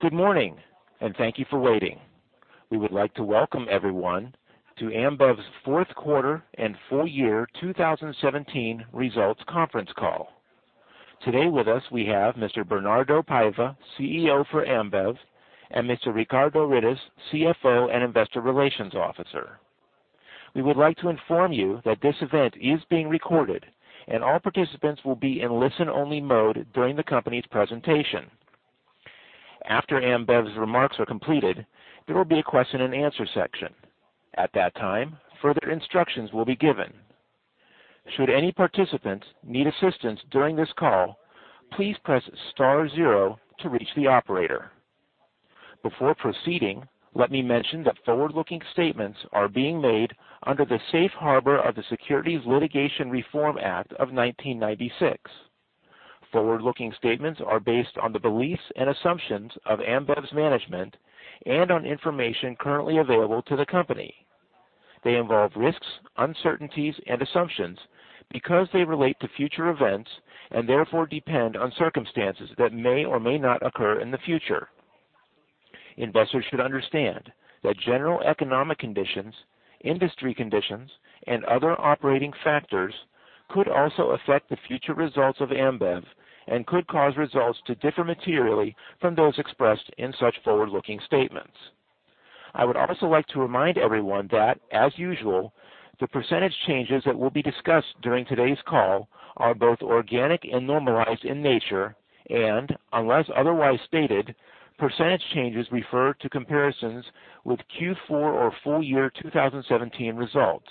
Good morning, and thank you for waiting. We would like to welcome everyone to Ambev's fourth quarter and full year 2017 results conference call. Today with us, we have Mr. Bernardo Paiva, CEO for Ambev, and Mr. Ricardo Rittes, CFO and Investor Relations Officer. We would like to inform you that this event is being recorded and all participants will be in listen-only mode during the company's presentation. After Ambev's remarks are completed, there will be a question-and-answer section. At that time, further instructions will be given. Should any participants need assistance during this call, please press star zero to reach the operator. Before proceeding, let me mention that forward-looking statements are being made under the Safe Harbor of the Private Securities Litigation Reform Act of 1995. Forward-looking statements are based on the beliefs and assumptions of Ambev's management and on information currently available to the company. They involve risks, uncertainties and assumptions because they relate to future events and therefore depend on circumstances that may or may not occur in the future. Investors should understand that general economic conditions, industry conditions, and other operating factors could also affect the future results of Ambev and could cause results to differ materially from those expressed in such forward-looking statements. I would also like to remind everyone that, as usual, the percentage changes that will be discussed during today's call are both organic and normalized in nature, and unless otherwise stated, percentage changes refer to comparisons with Q4 or full year 2017 results.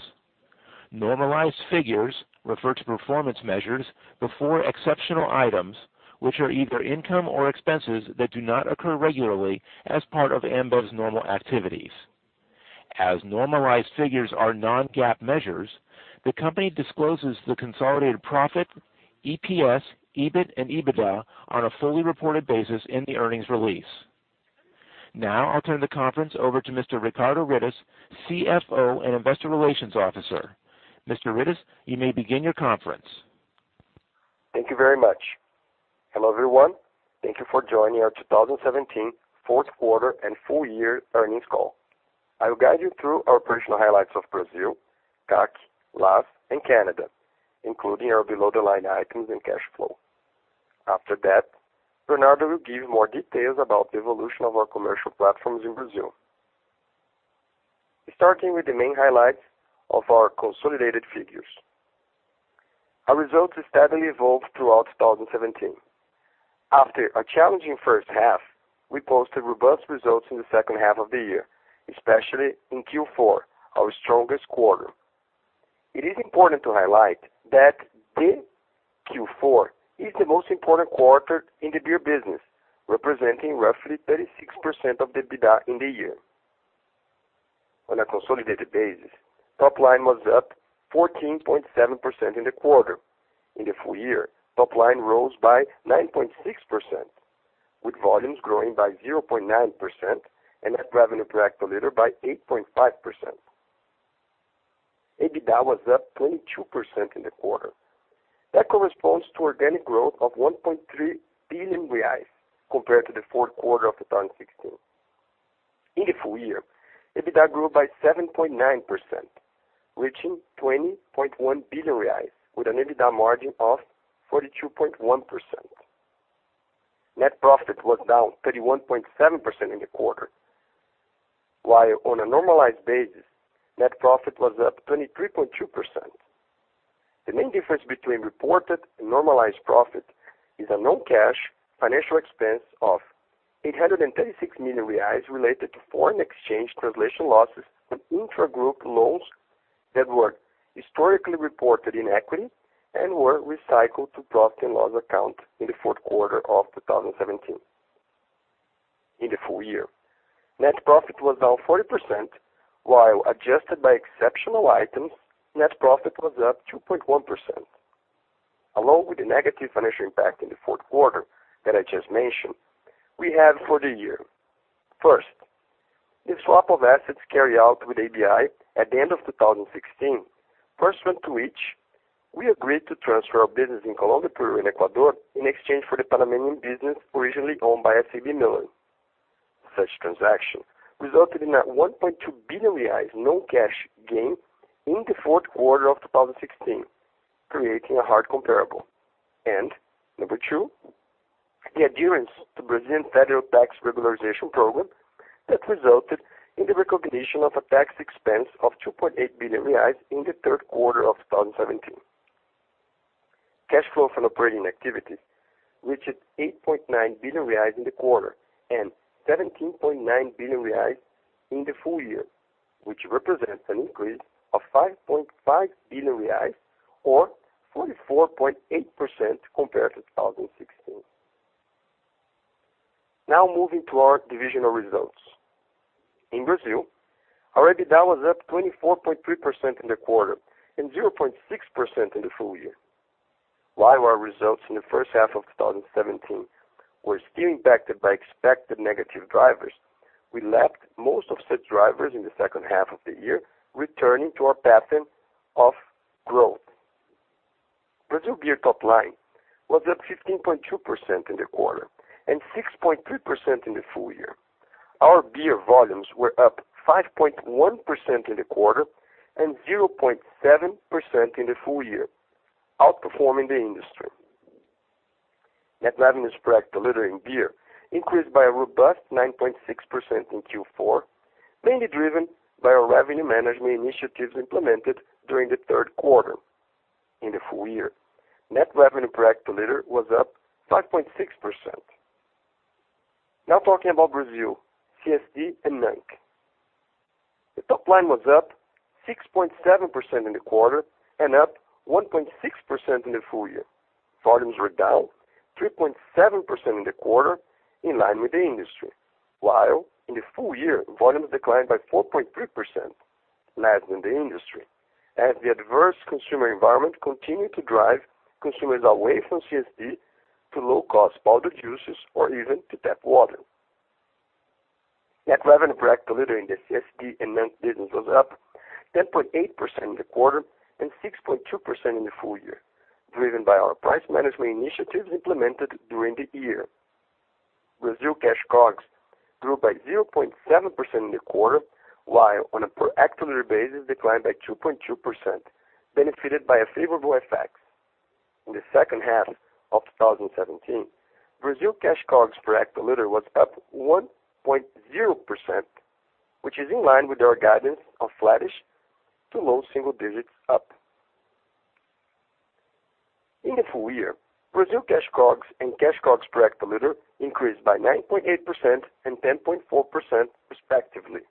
Normalized figures refer to performance measures before exceptional items which are either income or expenses that do not occur regularly as part of Ambev's normal activities. As normalized figures are non-GAAP measures, the company discloses the consolidated profit, EPS, EBIT and EBITDA on a fully reported basis in the earnings release. Now I'll turn the conference over to Mr. Ricardo Rittes, CFO and Investor Relations Officer. Mr. Rittes, you may begin your conference. Thank you very much. Hello, everyone. Thank you for joining our 2017 fourth quarter and full year earnings call. I will guide you through our operational highlights of Brazil, CAC, LAS and Canada, including our below-the-line items and cash flow. After that, Bernardo will give more details about the evolution of our commercial platforms in Brazil. Starting with the main highlights of our consolidated figures. Our results steadily evolved throughout 2017. After a challenging first half, we posted robust results in the second half of the year, especially in Q4, our strongest quarter. It is important to highlight that the Q4 is the most important quarter in the beer business, representing roughly 36% of the EBITDA in the year. On a consolidated basis, top line was up 14.7% in the quarter. In the full year, top line rose by 9.6%, with volumes growing by 0.9% and net revenue per hectoliter by 8.5%. EBITDA was up 22% in the quarter. That corresponds to organic growth of 1.3 billion reais compared to the fourth quarter of 2016. In the full year, EBITDA grew by 7.9%, reaching 20.1 billion reais with an EBITDA margin of 42.1%. Net profit was down 31.7% in the quarter, while on a normalized basis, net profit was up 23.2%. The main difference between reported and normalized profit is a non-cash financial expense of 836 million reais related to foreign exchange translation losses on intragroup loans that were historically reported in equity and were recycled to profit and loss account in the fourth quarter of 2017. In the full year, net profit was down 40%, while adjusted by exceptional items, net profit was up 2.1%. Along with the negative financial impact in the fourth quarter that I just mentioned, we have for the year. First, the swap of assets carried out with ABI at the end of 2016, pursuant to which we agreed to transfer our business in Colombia, Peru, and Ecuador in exchange for the Panamanian business originally owned by SABMiller. Such transaction resulted in a 1.2 billion reais non-cash gain in the fourth quarter of 2016, creating a hard comparable. Number two, the adherence to Brazilian Federal Tax Regularization Program that resulted in the recognition of a tax expense of 2.8 billion reais in the third quarter of 2017. Cash flow from operating activities reached 8.9 billion reais in the quarter and 17.9 billion reais in the full year, which represents an increase of 5.5 billion reais or 44.8% compared to 2016. Now moving to our divisional results. In Brazil, our EBITDA was up 24.3% in the quarter and 0.6% in the full year. While our results in the first half of 2017 were still impacted by expected negative drivers, we lapped most of such drivers in the second half of the year, returning to our pattern of growth. Brazil Beer top line was up 15.2% in the quarter and 6.3% in the full year. Our beer volumes were up 5.1% in the quarter and 0.7% in the full year, outperforming the industry. Net revenue spread per liter in beer increased by a robust 9.6% in Q4, mainly driven by our revenue management initiatives implemented during the third quarter. In the full year, net revenue per liter was up 5.6%. Now talking about Brazil, CSD, and NANC. The top line was up 6.7% in the quarter and up 1.6% in the full year. Volumes were down 3.7% in the quarter in line with the industry. While in the full year, volumes declined by 4.3% less than the industry, as the adverse consumer environment continued to drive consumers away from CSD to low-cost powdered juices or even to tap water. Net revenue BRL per liter in the CSD and NANC business was up 10.8% in the quarter and 6.2% in the full year, driven by our price management initiatives implemented during the year. Brazil cash COGS grew by 0.7% in the quarter, while on a per liter basis, declined by 2.2%, benefited by a favorable FX. In the second half of 2017, Brazil cash COGS per hectoliter was up 1.0%, which is in line with our guidance of flattish to low single digits up. In the full year, Brazil cash COGS and cash COGS per hectoliter increased by 9.8% and 10.4% respectively.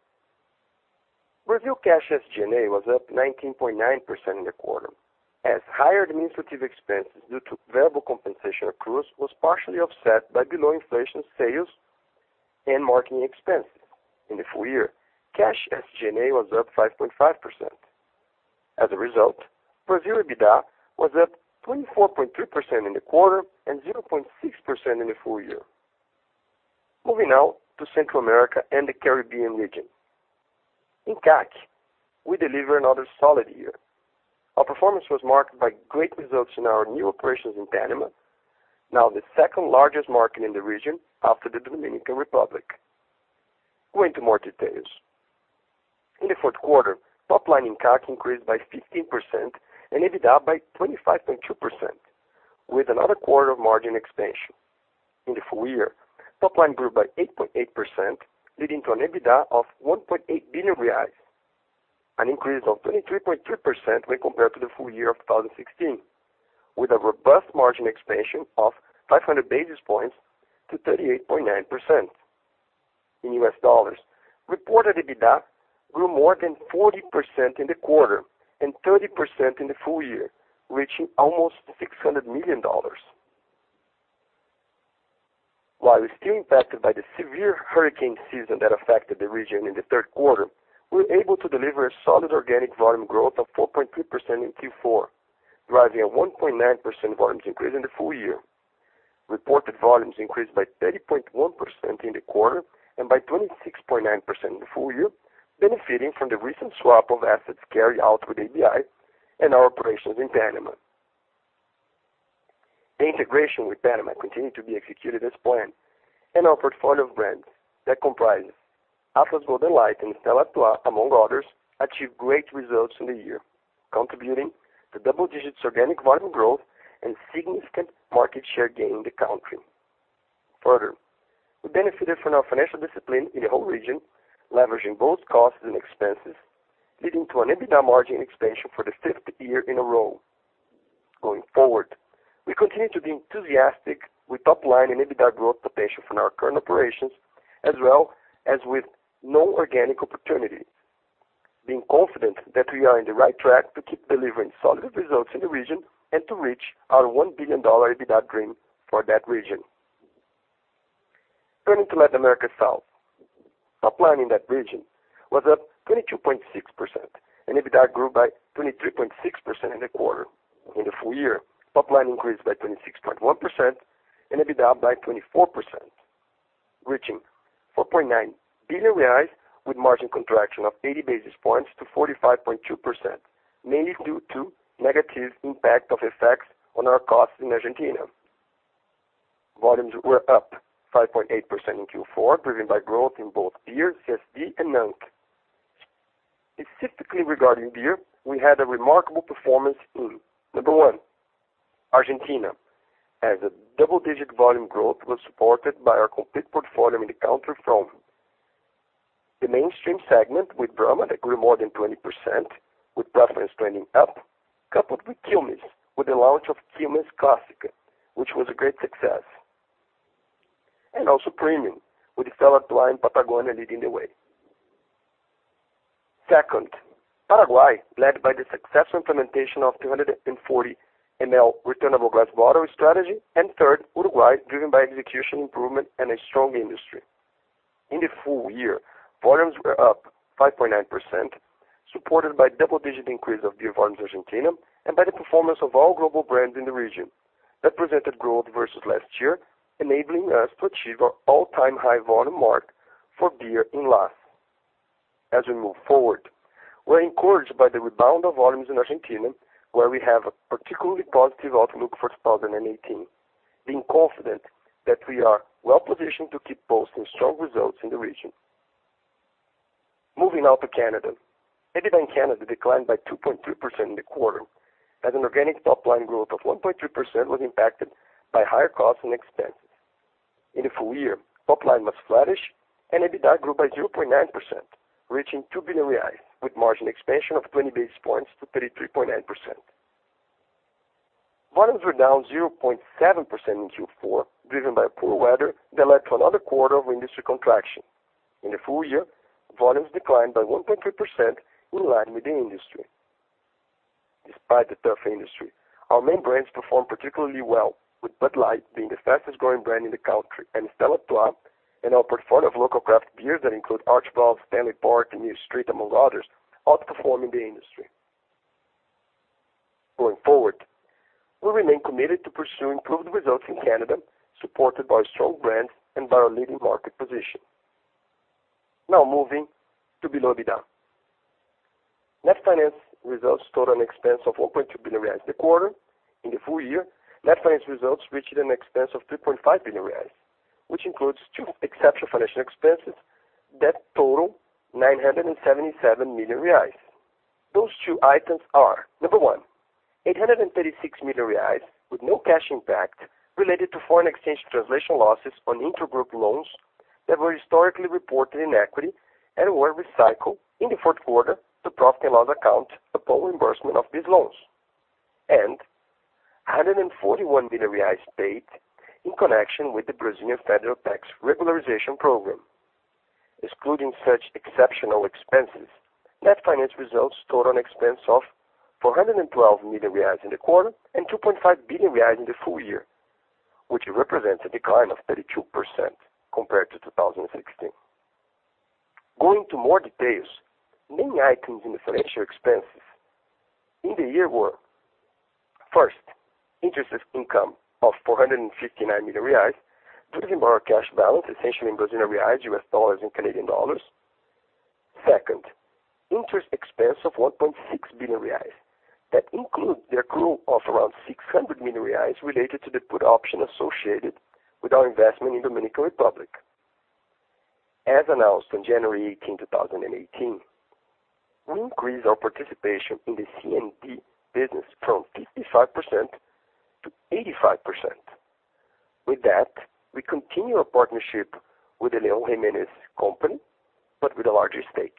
Brazil cash SG&A was up 19.9% in the quarter, as higher administrative expenses due to variable compensation accruals was partially offset by below-inflation sales and marketing expenses. In the full year, cash SG&A was up 5.5%. As a result, Brazil EBITDA was up 24.3% in the quarter and 0.6% in the full year. Moving now to Central America and the Caribbean region. In CAC, we deliver another solid year. Our performance was marked by great results in our new operations in Panama, now the second-largest market in the region after the Dominican Republic. Going into more details. In the fourth quarter, top line in CAC increased by 15% and EBITDA by 25.2% with another quarter of margin expansion. In the full year, top line grew by 8.8% leading to an EBITDA of 1.8 billion reais, an increase of 23.3% when compared to the full year of 2016, with a robust margin expansion of 500 basis points to 38.9%. In U.S. dollars, reported EBITDA grew more than 40% in the quarter and 30% in the full year, reaching almost $600 million. While we're still impacted by the severe hurricane season that affected the region in the third quarter, we were able to deliver a solid organic volume growth of 4.2% in Q4, driving a 1.9% volumes increase in the full year. Reported volumes increased by 30.1% in the quarter and by 26.9% in the full year, benefiting from the recent swap of assets carried out with ABI and our operations in Panama. The integration with Panama continued to be executed as planned, and our portfolio of brands that comprise Atlas Golden Light and Stella Artois, among others, achieved great results in the year, contributing to double-digit organic volume growth and significant market share gain in the country. Further, we benefited from our financial discipline in the whole region, leveraging both costs and expenses, leading to an EBITDA margin expansion for the fifth year in a row. Going forward, we continue to be enthusiastic with top line and EBITDA growth potential from our current operations as well as with new organic opportunities, being confident that we are in the right track to keep delivering solid results in the region and to reach our $1 billion EBITDA dream for that region. Turning to Latin America South. Top line in that region was up 22.6%, and EBITDA grew by 23.6% in the quarter. In the full year, top line increased by 26.1% and EBITDA by 24%, reaching 4.9 billion reais with margin contraction of 80 basis points to 45.2%, mainly due to negative impact of FX effects on our costs in Argentina. Volumes were up 5.8% in Q4, driven by growth in both beer, CSD, and NANC. Specifically regarding beer, we had a remarkable performance in number one, Argentina, as a double-digit volume growth was supported by our complete portfolio in the country from the mainstream segment with Brahma that grew more than 20% with preference trending up, coupled with Quilmes with the launch of Quilmes Clásica, which was a great success. Premium with Stella Artois and Patagonia leading the way. Second, Paraguay led by the successful implementation of 240 ml returnable glass bottle strategy. Third, Uruguay driven by execution improvement and a strong industry. In the full year, volumes were up 5.9%, supported by double-digit increase of beer volumes in Argentina and by the performance of all global brands in the region that presented growth versus last year, enabling us to achieve our all-time high volume mark for beer in LAS. As we move forward, we're encouraged by the rebound of volumes in Argentina, where we have a particularly positive outlook for 2018, being confident that we are well-positioned to keep posting strong results in the region. Moving now to Canada. EBITDA in Canada declined by 2.2% in the quarter as an organic top line growth of 1.2% was impacted by higher costs and expenses. In the full year, top line was flattish and EBITDA grew by 0.9%, reaching 2 billion reais, with margin expansion of 20 basis points to 33.9%. Volumes were down 0.7% in Q4, driven by poor weather that led to another quarter of industry contraction. In the full year, volumes declined by 1.3% in line with the industry. Despite the tough industry, our main brands performed particularly well, with Bud Light being the fastest-growing brand in the country, and Stella Artois and our portfolio of local craft beers that include Archibald, Stanley Park, and Mill Street, among others, outperforming the industry. Going forward, we remain committed to pursue improved results in Canada, supported by strong brands and by our leading market position. Now moving to below EBITDA. Net finance results total an expense of 1.2 billion reais in the quarter. In the full year, net finance results reached an expense of 3.5 billion reais, which includes two exceptional financial expenses that total 977 million reais. Those two items are, number one, 836 million reais with no cash impact related to foreign exchange translation losses on intragroup loans that were historically reported in equity and were recycled in the fourth quarter to profit and loss account upon reimbursement of these loans, and 141 million reais paid in connection with the Brazilian Federal Tax Regularization Program. Excluding such exceptional expenses, net finance results total an expense of 412 million reais in the quarter and 2.5 billion reais in the full year, which represents a decline of 32% compared to 2016. Going into more details, main items in the financial expenses in the year were, first, interest income of BRL 459 million due to the borrower's cash balance, essentially in Brazilian reais, US dollars, and Canadian dollars. Second, interest expense of 1.6 billion reais. That includes the accrual of around 600 million reais related to the put option associated with our investment in the Dominican Republic. As announced on January 18, 2018, we increased our participation in the CND business from 55% to 85%. With that, we continue our partnership with the E. León Jimenes Company, but with a larger stake.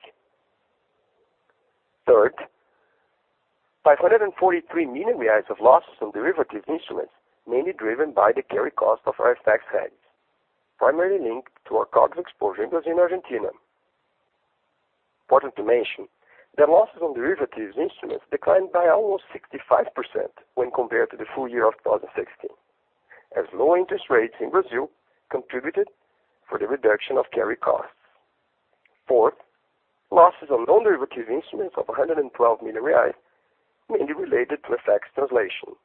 Third, 543 million reais of losses on derivatives instruments, mainly driven by the carry cost of our FX hedges, primarily linked to our current exposure in Brazil and Argentina. Important to mention that losses on derivatives instruments declined by almost 65% when compared to the full year of 2016, as low interest rates in Brazil contributed for the reduction of carry costs. Fourth, losses on non-derivative instruments of 112 million reais, mainly related to FX translation.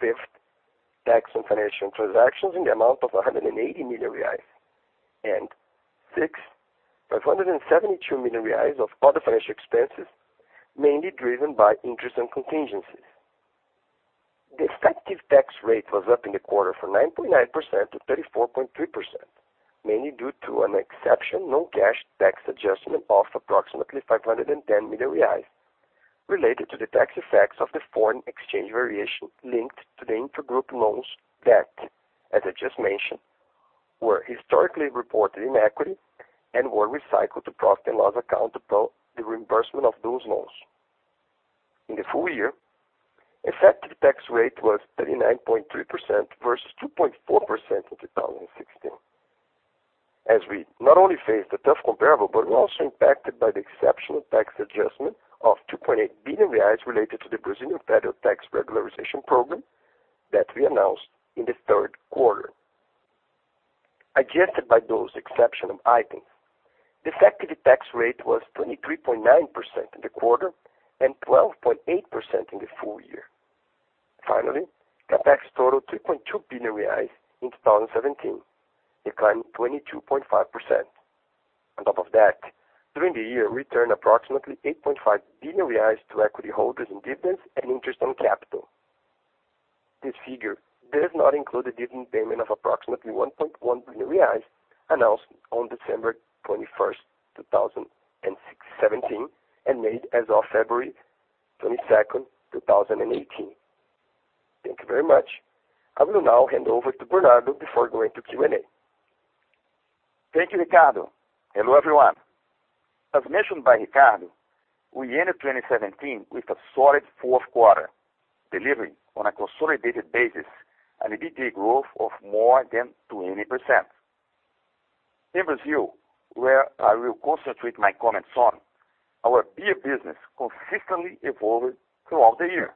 Fifth, tax on financial transactions in the amount of 180 million reais. Six, 572 million reais of other financial expenses, mainly driven by interest and contingencies. The effective tax rate was up in the quarter from 9.9% to 34.3%, mainly due to an exceptional non-cash tax adjustment of approximately 510 million reais related to the tax effects of the foreign exchange variation linked to the intragroup loans debt, as I just mentioned, were historically reported in equity and were recycled to profit and loss account upon the reimbursement of those loans. In the full year, effective tax rate was 39.3% versus 2.4% in 2016, as we not only faced a tough comparable, but were also impacted by the exceptional tax adjustment of 2.8 billion reais related to the Brazilian Federal Tax Regularization Program that we announced in the third quarter. Adjusted by those exceptional items, the effective tax rate was 23.9% in the quarter and 12.8% in the full year. Finally, Capex totaled 3.2 billion reais in 2017, declining 22.5%. On top of that, during the year, we returned approximately 8.5 billion reais to equity holders in dividends and interest on capital. This figure does not include the dividend payment of approximately 1.1 billion reais announced on December 21, 2017, and made as of February 22nd, 2018. Thank you very much. I will now hand over to Bernardo before going to Q&A. Thank you, Ricardo. Hello, everyone. As mentioned by Ricardo, we ended 2017 with a solid fourth quarter, delivering on a consolidated basis an EBITDA growth of more than 20%. In Brazil, where I will concentrate my comments on, our beer business consistently evolved throughout the year.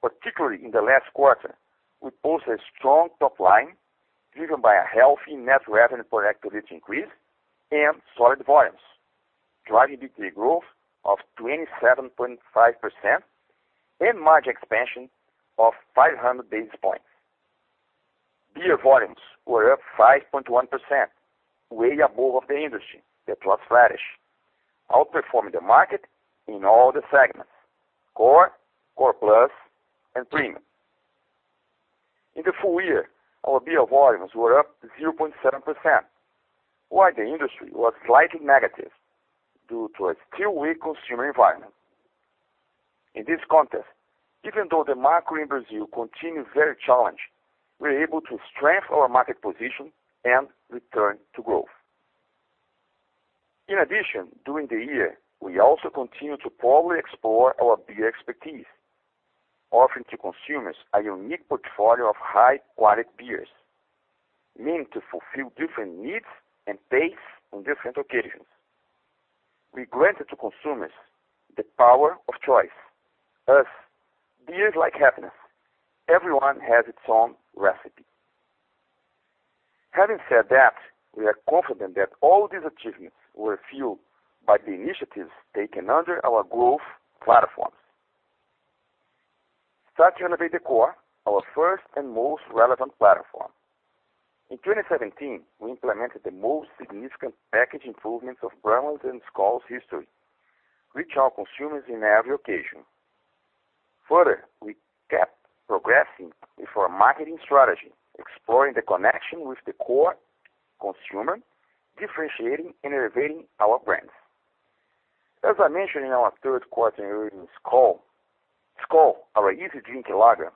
Particularly in the last quarter, we posted a strong top line driven by a healthy net revenue per hectoliter increase and solid volumes, driving EBITDA growth of 27.5% and margin expansion of 500 basis points. Beer volumes were up 5.1%, way above the industry that was flat-ish, outperforming the market in all the segments, core plus, and premium. In the full year, our beer volumes were up 0.7%, while the industry was slightly negative due to a still weak consumer environment. In this context, even though the macro in Brazil continued very challenged, we're able to strengthen our market position and return to growth. In addition, during the year, we also continued to probably explore our beer expertise, offering to consumers a unique portfolio of high-quality beers meant to fulfill different needs and tastes on different occasions. We granted to consumers the power of choice, as beer is like happiness. Everyone has its own recipe. Having said that, we are confident that all these achievements were fueled by the initiatives taken under our growth platforms. Starting with the core, our first and most relevant platform. In 2017, we implemented the most significant package improvements of brands in Skol's history, reaching our consumers in every occasion. Further, we kept progressing with our marketing strategy, exploring the connection with the core consumer, differentiating and elevating our brands. As I mentioned in our third quarter earnings call, Skol, our easy-drinking lager,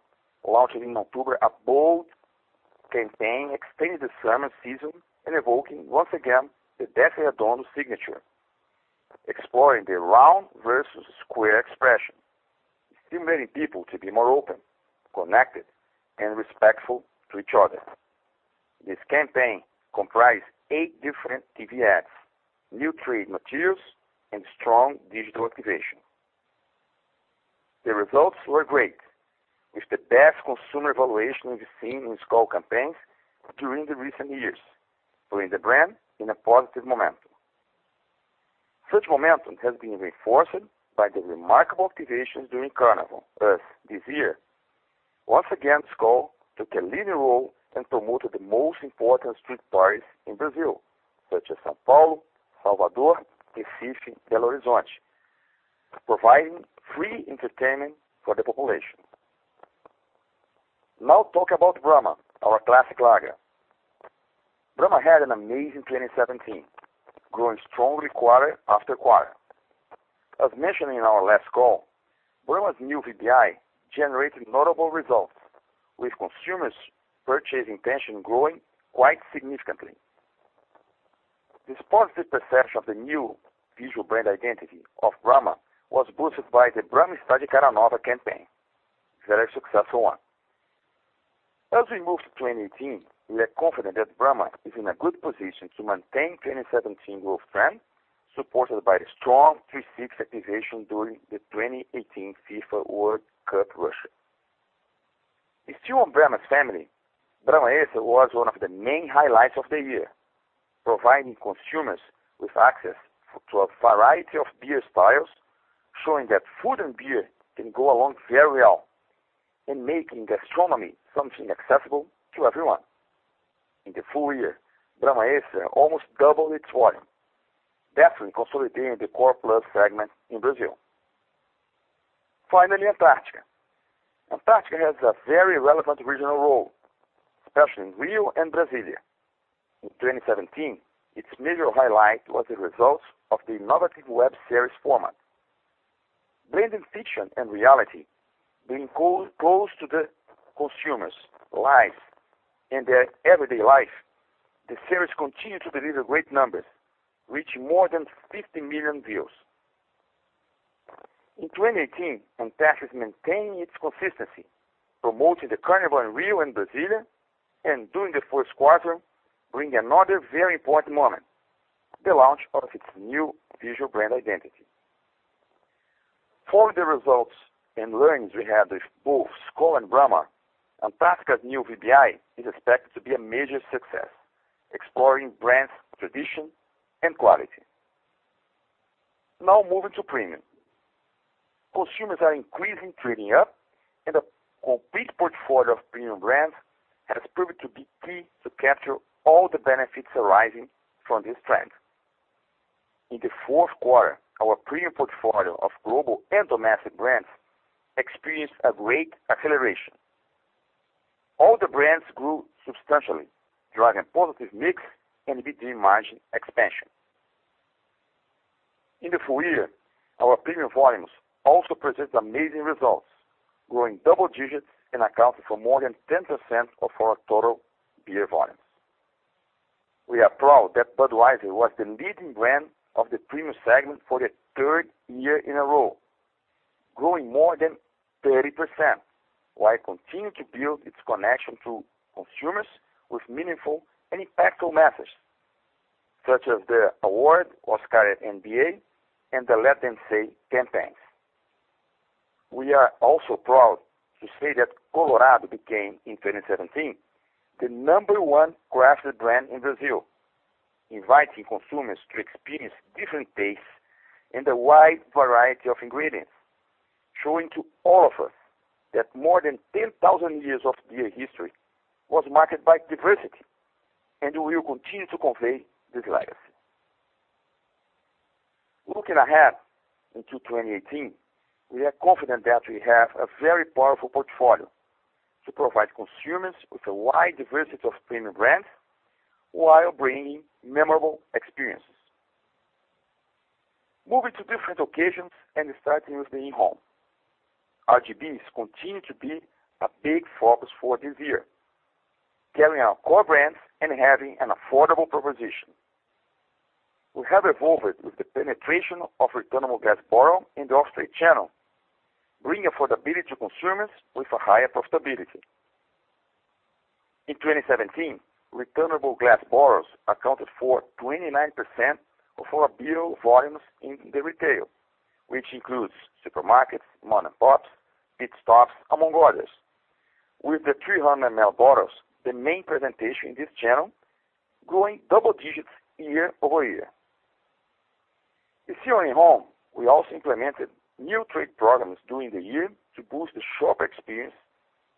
launched in October a bold campaign extending the summer season and evoking once again the taste of [Addons] signature, exploring the round versus square expression, inspiring people to be more open, connected, and respectful to each other. This campaign comprised eight different TV ads, new trade materials, and strong digital activation. The results were great, with the best consumer evaluation we've seen in Skol campaigns during the recent years, putting the brand in a positive momentum. Such momentum has been reinforced by the remarkable activations during Carnival. This year, once again, Skol took a leading role and promoted the most important street parties in Brazil, such as São Paulo, Salvador, Recife, Belo Horizonte, providing free entertainment for the population. Now talk about Brahma, our classic lager. Brahma had an amazing 2017, growing strongly quarter after quarter. As mentioned in our last call, Brahma's new VBI generated notable results, with consumers' purchasing intention growing quite significantly. This positive perception of the new visual brand identity of Brahma was boosted by the Brahma é só cara nova campaign, a very successful one. As we move to 2018, we are confident that Brahma is in a good position to maintain 2017 growth trend, supported by strong 360 activation during the 2018 FIFA World Cup Russia. Still on Brahma's family, Brahma was one of the main highlights of the year, providing consumers with access to a variety of beer styles, showing that food and beer can go along very well and making gastronomy something accessible to everyone. In the full year, Brahma almost doubled its volume, definitely consolidating the core plus segment in Brazil. Finally, Antarctica. Antarctica has a very relevant regional role, especially in Rio and Brasília. In 2017, its major highlight was the results of the innovative web series format. Blending fiction and reality, being close to the consumers' lives and their everyday life, the series continued to deliver great numbers, reaching more than 50 million views. In 2018, Antarctica is maintaining its consistency, promoting the carnival in Rio and Brasília, and during the first quarter, bringing another very important moment, the launch of its new visual brand identity. Following the results and learnings we had with both Skol and Brahma, Antarctica's new VBI is expected to be a major success, exploring brand's tradition and quality. Now moving to premium. Consumers are increasingly trading up, and a complete portfolio of premium brands has proved to be key to capture all the benefits arising from this trend. In the fourth quarter, our premium portfolio of global and domestic brands experienced a great acceleration. All the brands grew substantially, driving positive mix and EBITDA margin expansion. In the full year, our premium volumes also presented amazing results, growing double digits and accounting for more than 10% of our total beer volumes. We are proud that Budweiser was the leading brand of the premium segment for the third year in a row, growing more than 30% while continuing to build its connection to consumers with meaningful and impactful methods, such as the award, Oscar, NBA and the Let Them Say 10 Thanks. We are also proud to say that Colorado became, in 2017, the number one craft brand in Brazil, inviting consumers to experience different tastes and a wide variety of ingredients. Showing to all of us that more than 10,000 years of beer history was marked by diversity, and we will continue to convey this legacy. Looking ahead into 2018, we are confident that we have a very powerful portfolio to provide consumers with a wide diversity of premium brands while bringing memorable experiences. Moving to different occasions and starting with the in-home. RGBs continue to be a big focus for this year, carrying our core brands and having an affordable proposition. We have evolved with the penetration of returnable glass bottle in the off-trade channel, bringing affordability to consumers with a higher profitability. In 2017, returnable glass bottles accounted for 29% of our beer volumes in the retail, which includes supermarkets, modern POS, Pit Stop, among others. With the 300 ml bottles, the main presentation in this channel growing double digits year-over-year. Still in home, we also implemented new trade programs during the year to boost the shopper experience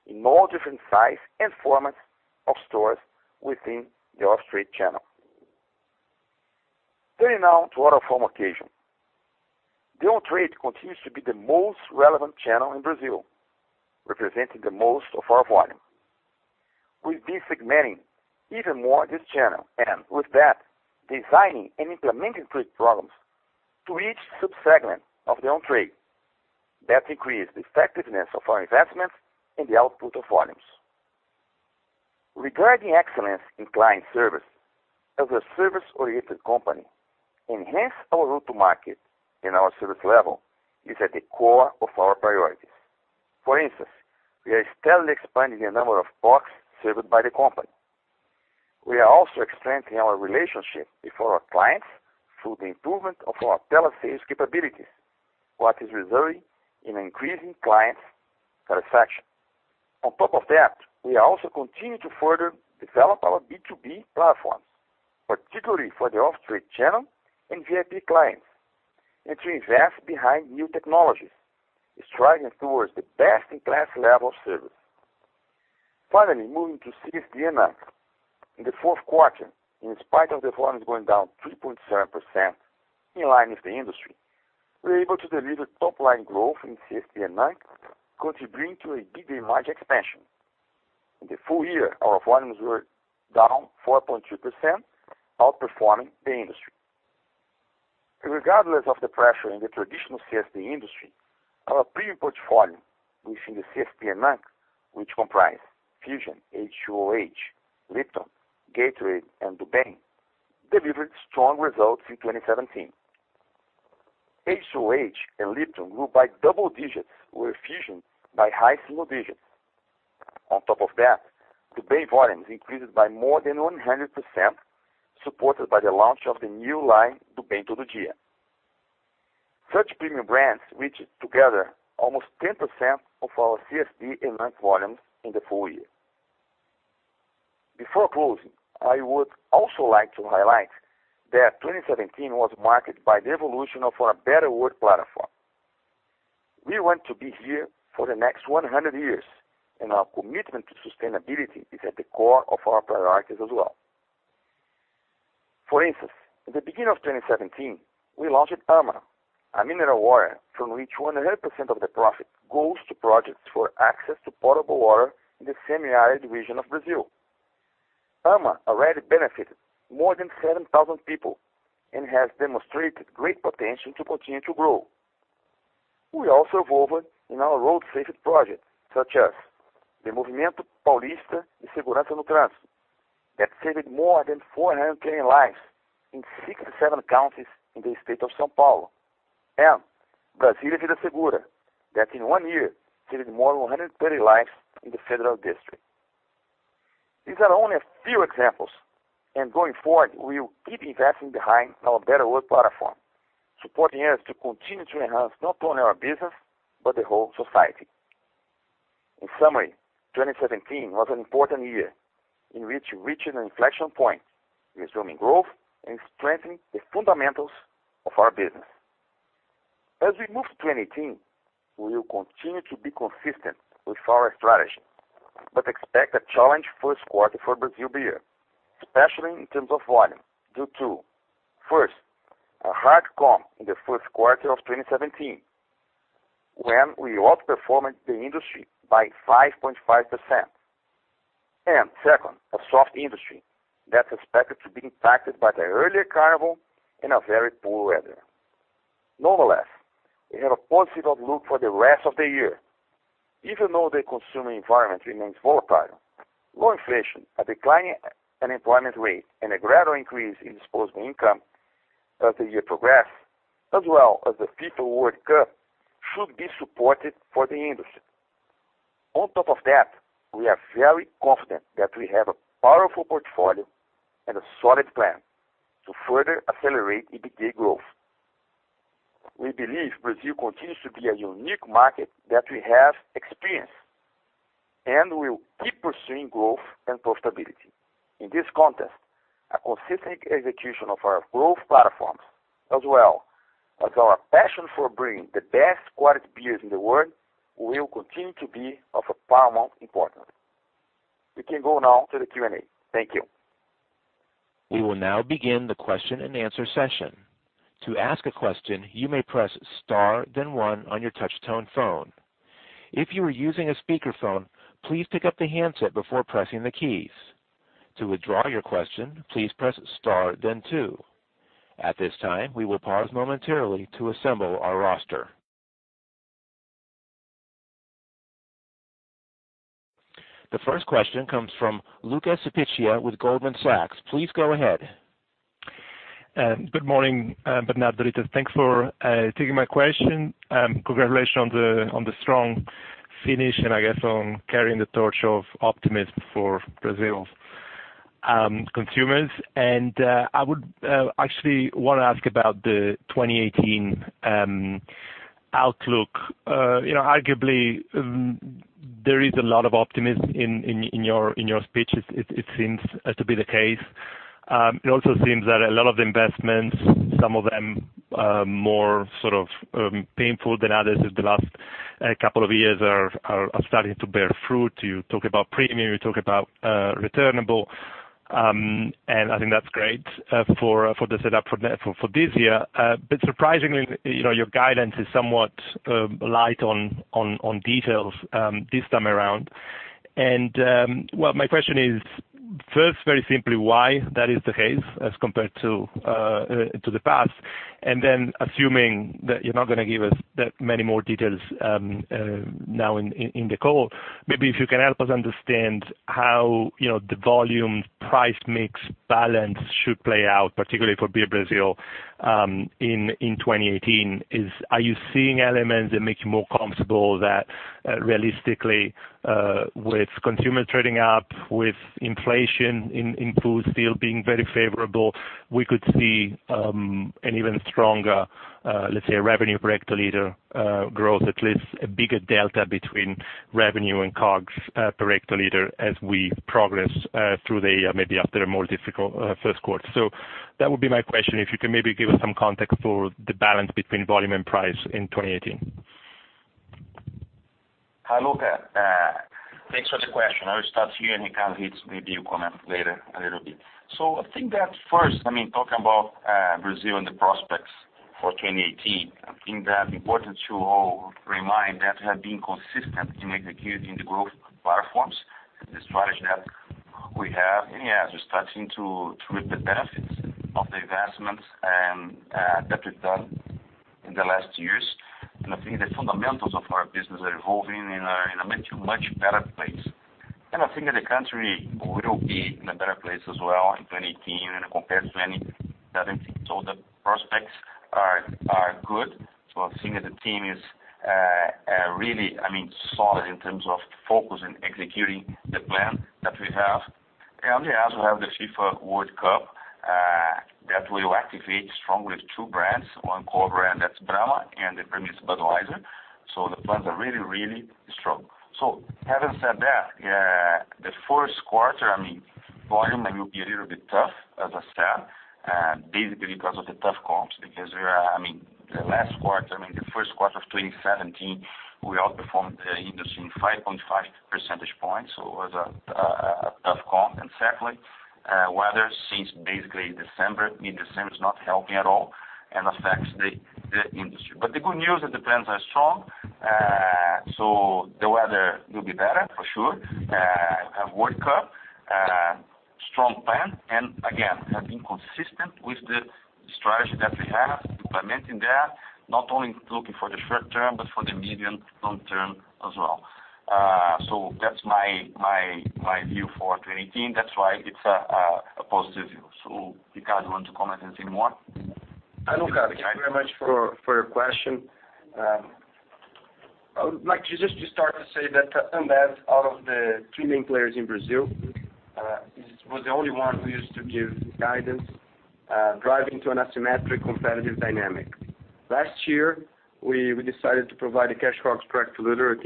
in all different sizes and formats of stores within the off-trade channel. Turning now to out of home occasion. The on-trade continues to be the most relevant channel in Brazil, representing the most of our volume. We've been segmenting even more this channel and with that, designing and implementing trade programs to each sub-segment of the on-trade. That increased the effectiveness of our investments and the output of volumes. Regarding excellence in client service, as a service-oriented company, enhancing our route to market and our service level is at the core of our priorities. For instance, we are steadily expanding the number of POS served by the company. We are also strengthening our relationship with our clients through the improvement of our telesales capabilities, which is resulting in increasing client satisfaction. On top of that, we also continue to further develop our B2B platforms, particularly for the off-trade channel and VIP clients, and to invest in new technologies, striving towards the best-in-class level of service. Finally, moving to CSD and NANC. In the fourth quarter, in spite of the volumes going down 3.7% in line with the industry, we're able to deliver top-line growth in CSD and NANC, contributing to a margin expansion. In the full year, our volumes were down 4.2%, outperforming the industry. Regardless of the pressure in the traditional CSD industry, our premium portfolio within the CSD and NANC, which comprise Fusion, H2OH!, Lipton, Gatorade, and Do Bem, delivered strong results in 2017. H2OH! and Lipton grew by double digits, with Fusion by high single digits. On top of that, Do Bem volumes increased by more than 100%, supported by the launch of the new line, Do Bem Todo Dia. Such premium brands reached together almost 10% of our CSD and NANC volumes in the full year. Before closing, I would also like to highlight that 2017 was marked by the evolution of our Better World platform. We want to be here for the next 100 years, and our commitment to sustainability is at the core of our priorities as well. For instance, at the beginning of 2017, we launched AMA, a mineral water from which 100% of the profit goes to projects for access to potable water in the semi-arid region of Brazil. AMA already benefited more than 7,000 people and has demonstrated great potential to continue to grow. We also evolved in our road safety project, such as the Movimento Paulista de Segurança no Trânsito, that saved more than 400 million lives in 67 counties in the state of São Paulo. Brasília Vida Segura that in one year saved more than 130 lives in the Federal District. These are only a few examples. Going forward, we will keep investing behind our Better World platform, supporting us to continue to enhance not only our business, but the whole society. In summary, 2017 was an important year in which we reached an inflection point, resuming growth and strengthening the fundamentals of our business. As we move to 2018, we will continue to be consistent with our strategy, but expect a challenged first quarter for Brazil Beer, especially in terms of volume, due to, first, a hard comp in the fourth quarter of 2017 when we outperformed the industry by 5.5%. Second, a soft industry that's expected to be impacted by the earlier Carnival and a very poor weather. Nonetheless, we have a positive outlook for the rest of the year. Even though the consumer environment remains volatile, low inflation, a declining unemployment rate, and a gradual increase in disposable income as the year progress, as well as the FIFA World Cup should be supported for the industry. On top of that, we are very confident that we have a powerful portfolio and a solid plan to further accelerate EBITDA growth. We believe Brazil continues to be a unique market that we have experience We'll keep pursuing growth and profitability. In this context, a consistent execution of our growth platforms as well as our passion for bringing the best quality beers in the world will continue to be of a paramount importance. We can go now to the Q&A. Thank you. We will now begin the question-and-answer session. To ask a question, you may press star then one on your touch-tone phone. If you are using a speakerphone, please pick up the handset before pressing the keys. To withdraw your question, please press star then two. At this time, we will pause momentarily to assemble our roster. The first question comes from Luca Cipiccia with Goldman Sachs. Please go ahead. Good morning, Bernardo, Rittes. Thanks for taking my question. Congratulations on the strong finish and I guess on carrying the torch of optimism for Brazil consumers. I would actually wanna ask about the 2018 outlook. You know, arguably, there is a lot of optimism in your speeches. It seems to be the case. It also seems that a lot of the investments, some of them more sort of painful than others over the last couple of years are starting to bear fruit. You talk about premium, you talk about returnable. I think that's great for the setup for this year. Surprisingly, you know, your guidance is somewhat light on details this time around. Well, my question is, first, very simply why that is the case as compared to the past? Assuming that you're not gonna give us that many more details, now in the call, maybe if you can help us understand how, you know, the volume price mix balance should play out, particularly for Beer Brazil, in 2018, are you seeing elements that make you more comfortable that, realistically, with consumer trading up, with inflation in food still being very favorable, we could see an even stronger, let's say, revenue per hectoliter growth, at least a bigger delta between revenue and COGS per hectoliter as we progress through the year, maybe after a more difficult first quarter. That would be my question, if you can maybe give us some context for the balance between volume and price in 2018. Hi, Luca. Thanks for the question. I'll start here, and Ricardo Rittes, maybe you comment later a little bit. I think that first, I mean, talking about Brazil and the prospects for 2018, I think it's important to remind all that we have been consistent in executing the growth platforms, the strategy that we have. Yeah, we're starting to reap the benefits of the investments that we've done in the last years. I think the fundamentals of our business are evolving and are in a much, much better place. I think that the country will be in a better place as well in 2018 compared to 2017. The prospects are good. I think that the team is really, I mean, solid in terms of focus and executing the plan that we have. Yes, we have the FIFA World Cup that we will activate strongly with two brands, one core brand, that's Brahma, and the premium is Budweiser. The plans are really, really strong. Having said that, the first quarter, I mean, volume will be a little bit tough as I said, basically because of the tough comps because I mean, the last quarter, I mean, the first quarter of 2017, we outperformed the industry in 5.5 percentage points, so it was a tough comp. Secondly, weather since basically December, mid-December, it's not helping at all and affects the industry. The good news is the trends are strong. The weather will be better for sure. We have World Cup, strong plan. Again, have been consistent with the strategy that we have implementing that, not only looking for the short term, but for the medium long term as well. That's my view for 2018. That's why it's a positive view. Ricardo, you want to comment anything more? Hi, Luca. Thank you very much for your question. I would like to just start to say that Ambev out of the three main players in Brazil was the only one who used to give guidance driving to an asymmetric competitive dynamic. Last year, we decided to provide a cash COGS per hectoliter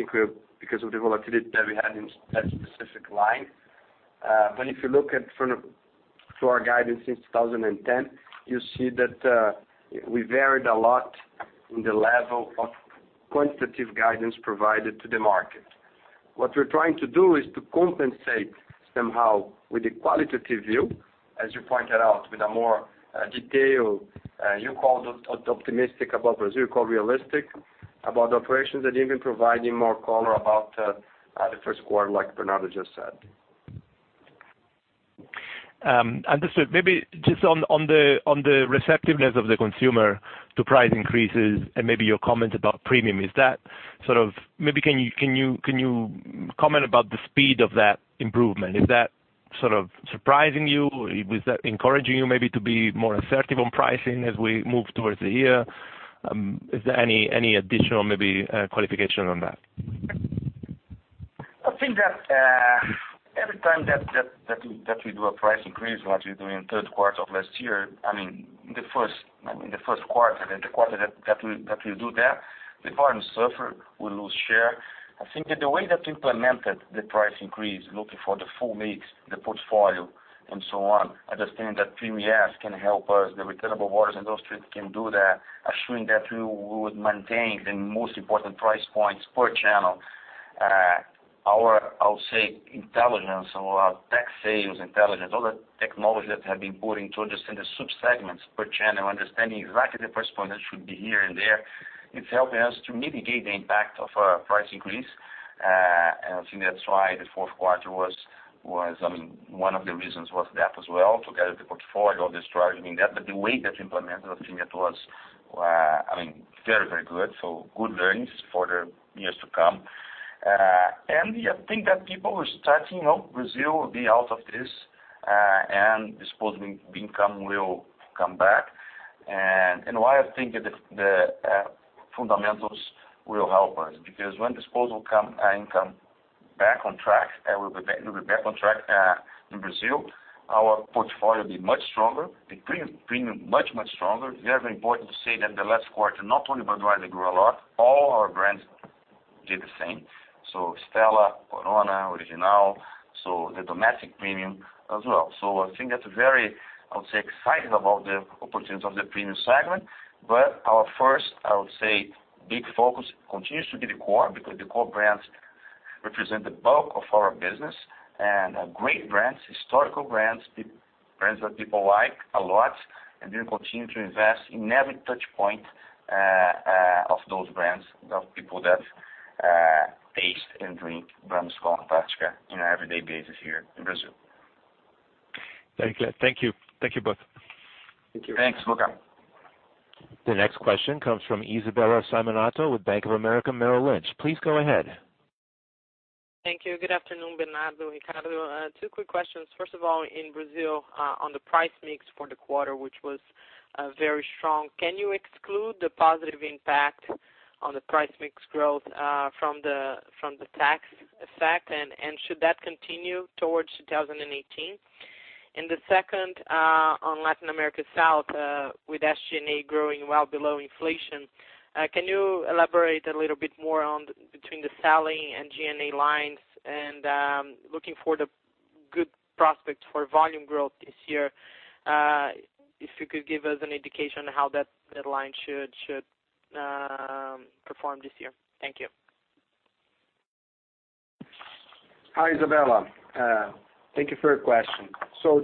because of the volatility that we had in that specific line. If you look at from to our guidance since 2010, you see that we varied a lot in the level of quantitative guidance provided to the market. What we're trying to do is to compensate somehow with the qualitative view, as you pointed out, with a more detailed optimistic about Brazil, you call realistic about the operations and even providing more color about the first quarter like Bernardo just said. Understood. Maybe just on the receptiveness of the consumer to price increases and maybe your comment about premium. Can you comment about the speed of that improvement? Is that sort of surprising you? Is that encouraging you maybe to be more assertive on pricing as we move towards the year? Is there any additional maybe qualification on that? I think that every time that we do a price increase, what we do in third quarter of last year, I mean the first quarter, the quarter that we do that, the volumes suffer, we lose share. I think that the way that we implemented the price increase, looking for the full mix, the portfolio and so on, understanding that premium yes can help us, the returnable bottles and those three can do that, assuming that we would maintain the most important price points per channel. Our, I'll say intelligence or our sales intelligence, all the technology that have been putting to understand the subsegments per channel, understanding exactly the price point that should be here and there. It's helping us to mitigate the impact of our price increase. I think that's why the fourth quarter was one of the reasons, I mean, that as well, together the portfolio, all the strategy. The way that we implemented, I think it was very good. Good learnings for the years to come. Yeah, I think that people were starting, you know, Brazil will be out of this, and disposable income will come back. Why I think that the fundamentals will help us, because when disposable income back on track, we'll be back on track in Brazil, our portfolio will be much stronger. The premium much stronger. Very important to say that the last quarter, not only Budweiser grew a lot, all our brands did the same. Stella, Corona, Antarctica Original, the domestic premium as well. I think we're very excited about the opportunities of the premium segment. Our first big focus continues to be the core, because the core brands represent the bulk of our business and great brands, historical brands that people like a lot and we will continue to invest in every touch point of those brands of people that taste and drink brands called Antarctica on an everyday basis here in Brazil. Thank you. Thank you. Thank you both. Thank you. Thanks, Luca. The next question comes from Isabella Simonato with Bank of America Merrill Lynch. Please go ahead. Thank you. Good afternoon, Bernardo, Ricardo. Two quick questions. First of all, in Brazil, on the price mix for the quarter, which was very strong, can you exclude the positive impact on the price mix growth from the tax effect? Should that continue towards 2018? The second, on Latin America South, with SG&A growing well below inflation, can you elaborate a little bit more on between the Selling and G&A lines and, looking for the good prospects for volume growth this year, if you could give us an indication how that line should perform this year? Thank you. Hi, Isabella. Thank you for your question.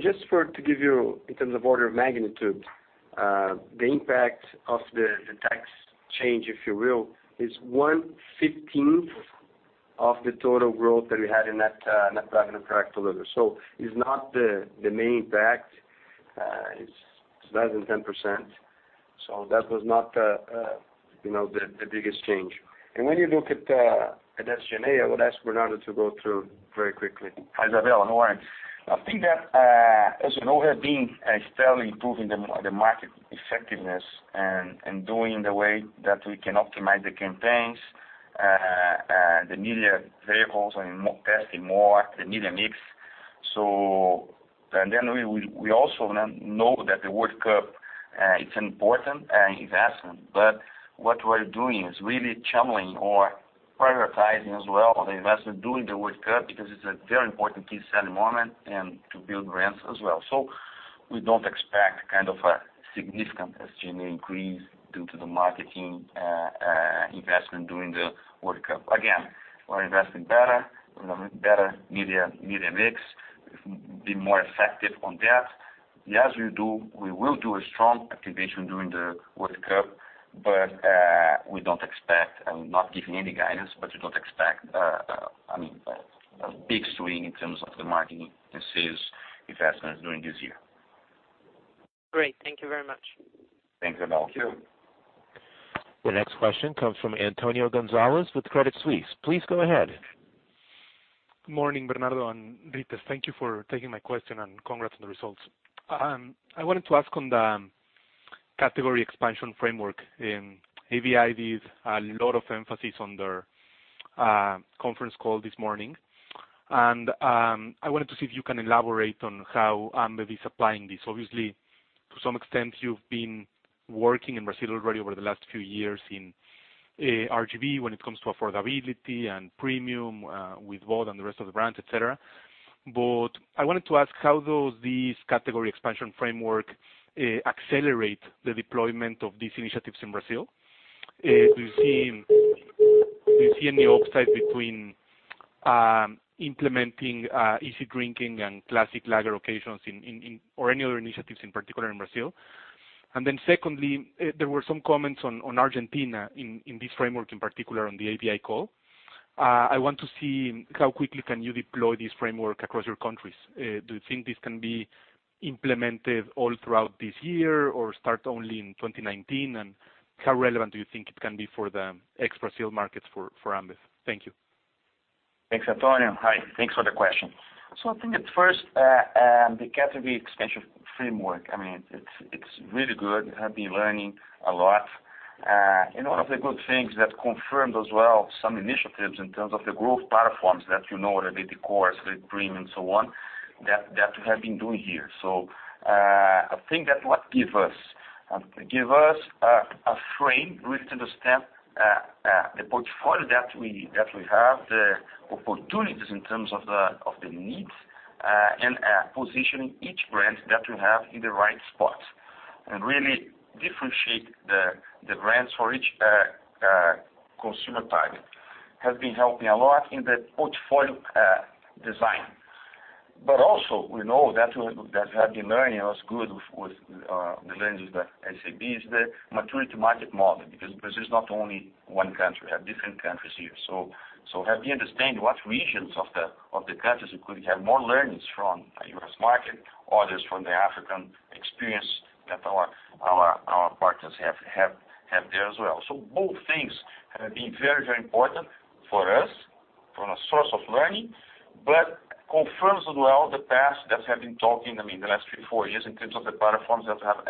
Just for to give you in terms of order of magnitude, the impact of the tax change, if you will, is 1/15 of the total growth that we had in that revenue per hectoliter. It's not the main impact. It's less than 10%. That was not, you know, the biggest change. When you look at SG&A, I would ask Bernardo to go through very quickly. Hi, Isabella. No worries. I think that, as you know, we have been steadily improving the market effectiveness and doing the way that we can optimize the campaigns, the media vehicles, I mean, testing more the media mix. We also know that the World Cup, it's important investment, but what we're doing is really channeling or prioritizing as well the investment during the World Cup, because it's a very important piece at the moment and to build brands as well. We don't expect kind of a significant SG&A increase due to the marketing investment during the World Cup. Again, we're investing better media mix, be more effective on that. Yes, we do. We will do a strong activation during the World Cup, but we don't expect. I'm not giving any guidance, but we don't expect, I mean, a big swing in terms of the marketing and sales investments during this year. Great. Thank you very much. Thanks, Isabella. Thank you. The next question comes from Antonio Gonzalez with Credit Suisse. Please go ahead. Good morning, Bernardo and Rittes. Thank you for taking my question, and congrats on the results. I wanted to ask on the category expansion framework. AB InBev had a lot of emphasis on their conference call this morning. I wanted to see if you can elaborate on how Ambev is applying this. Obviously, to some extent you've been working in Brazil already over the last few years in RGB when it comes to affordability and premium with Bud and the rest of the brands, et cetera. But I wanted to ask, how does this category expansion framework accelerate the deployment of these initiatives in Brazil? Do you see any upside between implementing easy drinking and classic lager occasions in or any other initiatives in particular in Brazil? Then secondly, there were some comments on Argentina in this framework, in particular on the ABI call. I want to see how quickly can you deploy this framework across your countries. Do you think this can be implemented all throughout this year or start only in 2019? How relevant do you think it can be for the export sale markets for Ambev? Thank you. Thanks, Antonio. Hi, thanks for the question. I think at first, the category expansion framework, I mean, it's really good. I've been learning a lot. One of the good things that confirmed as well some initiatives in terms of the growth platforms that you know already, the cores, the premium and so on, that we have been doing here. I think that what gives us a frame really to understand the portfolio that we have, the opportunities in terms of the needs, and positioning each brand that we have in the right spot. Really differentiate the brands for each consumer type has been helping a lot in the portfolio design. Also we know that we have been learning what's good with the lenses that SAB is the maturity market model, because Brazil is not only one country, we have different countries here. So helping understand what regions of the countries we could have more learnings from a U.S. market, others from the African experience that our partners have there as well. Both things have been very, very important for us from a source of learning, but confirms as well the path that have been talking, I mean, the last three, four years in terms of the platforms that have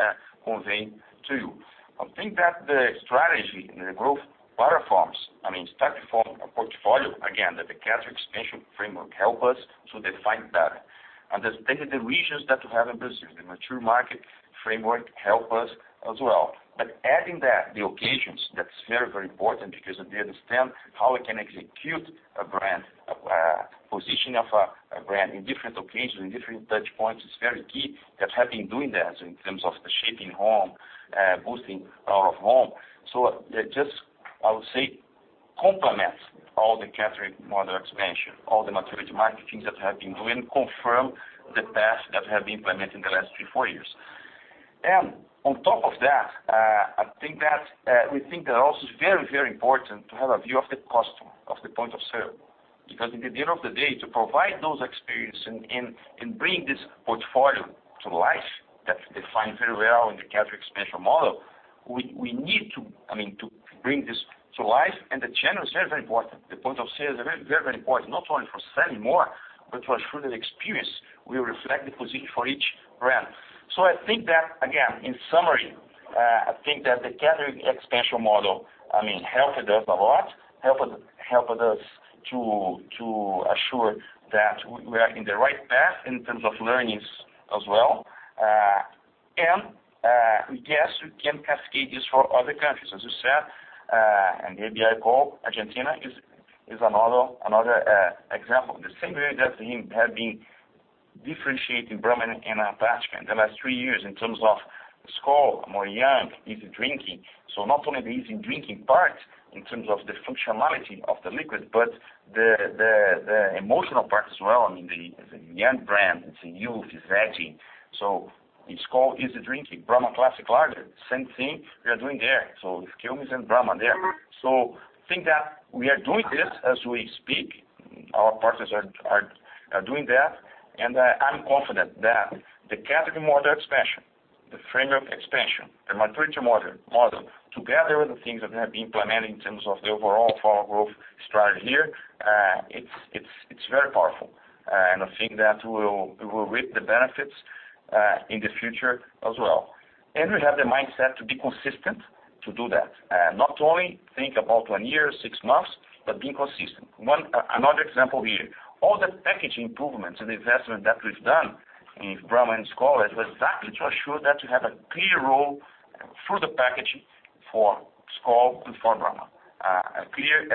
conveyed to you. I think that the strategy and the growth platforms, I mean, start to form a portfolio, again, that the category expansion framework help us to define better. Understanding the regions that we have in Brazil, the mature market framework helps us as well. Adding that, the occasions, that's very, very important because they understand how we can execute a brand positioning of a brand in different occasions, in different touch points is very key, that have been doing that in terms of the shaping at home, boosting out of home. They just, I would say, complement all the category model expansion, all the mature market things that have been doing confirm the path that have been implemented in the last three, four years. On top of that, I think that we think that also is very, very important to have a view of the customer, of the point of sale. Because at the end of the day, to provide those experience and bring this portfolio to life, that's defined very well in the category expansion model, we need to, I mean, to bring this to life, and the channel is very, very important. The point of sale is very, very important, not only for selling more, but through the experience, we reflect the position for each brand. I think that, again, in summary, I think that the category expansion model, I mean, helped us a lot, helped us to assure that we are in the right path in terms of learnings as well. We guess we can cascade this for other countries. As you said, on the ABI call, Argentina is another example. The same way that we have been differentiating Brahma and Antarctica in the last three years in terms of Skol, more young, easy drinking. Not only the easy drinking part in terms of the functionality of the liquid, but the emotional part as well. I mean, it's a young brand, it's a youth, it's edgy. It's called easy drinking. Brahma Classic lager, same thing we are doing there. With Quilmes and Brahma there. I think that we are doing this as we speak. Our partners are doing that. I'm confident that the category model expansion, the framework expansion, the maturity model, together with the things that have been implemented in terms of the overall portfolio growth strategy here, it's very powerful. I think that we will reap the benefits in the future as well. We have the mindset to be consistent to do that. Not only think about one year, six months, but be consistent. Another example here, all the packaging improvements and investment that we've done in Brahma and Skol is exactly to assure that we have a clear role through the packaging for Skol and for Brahma. A clear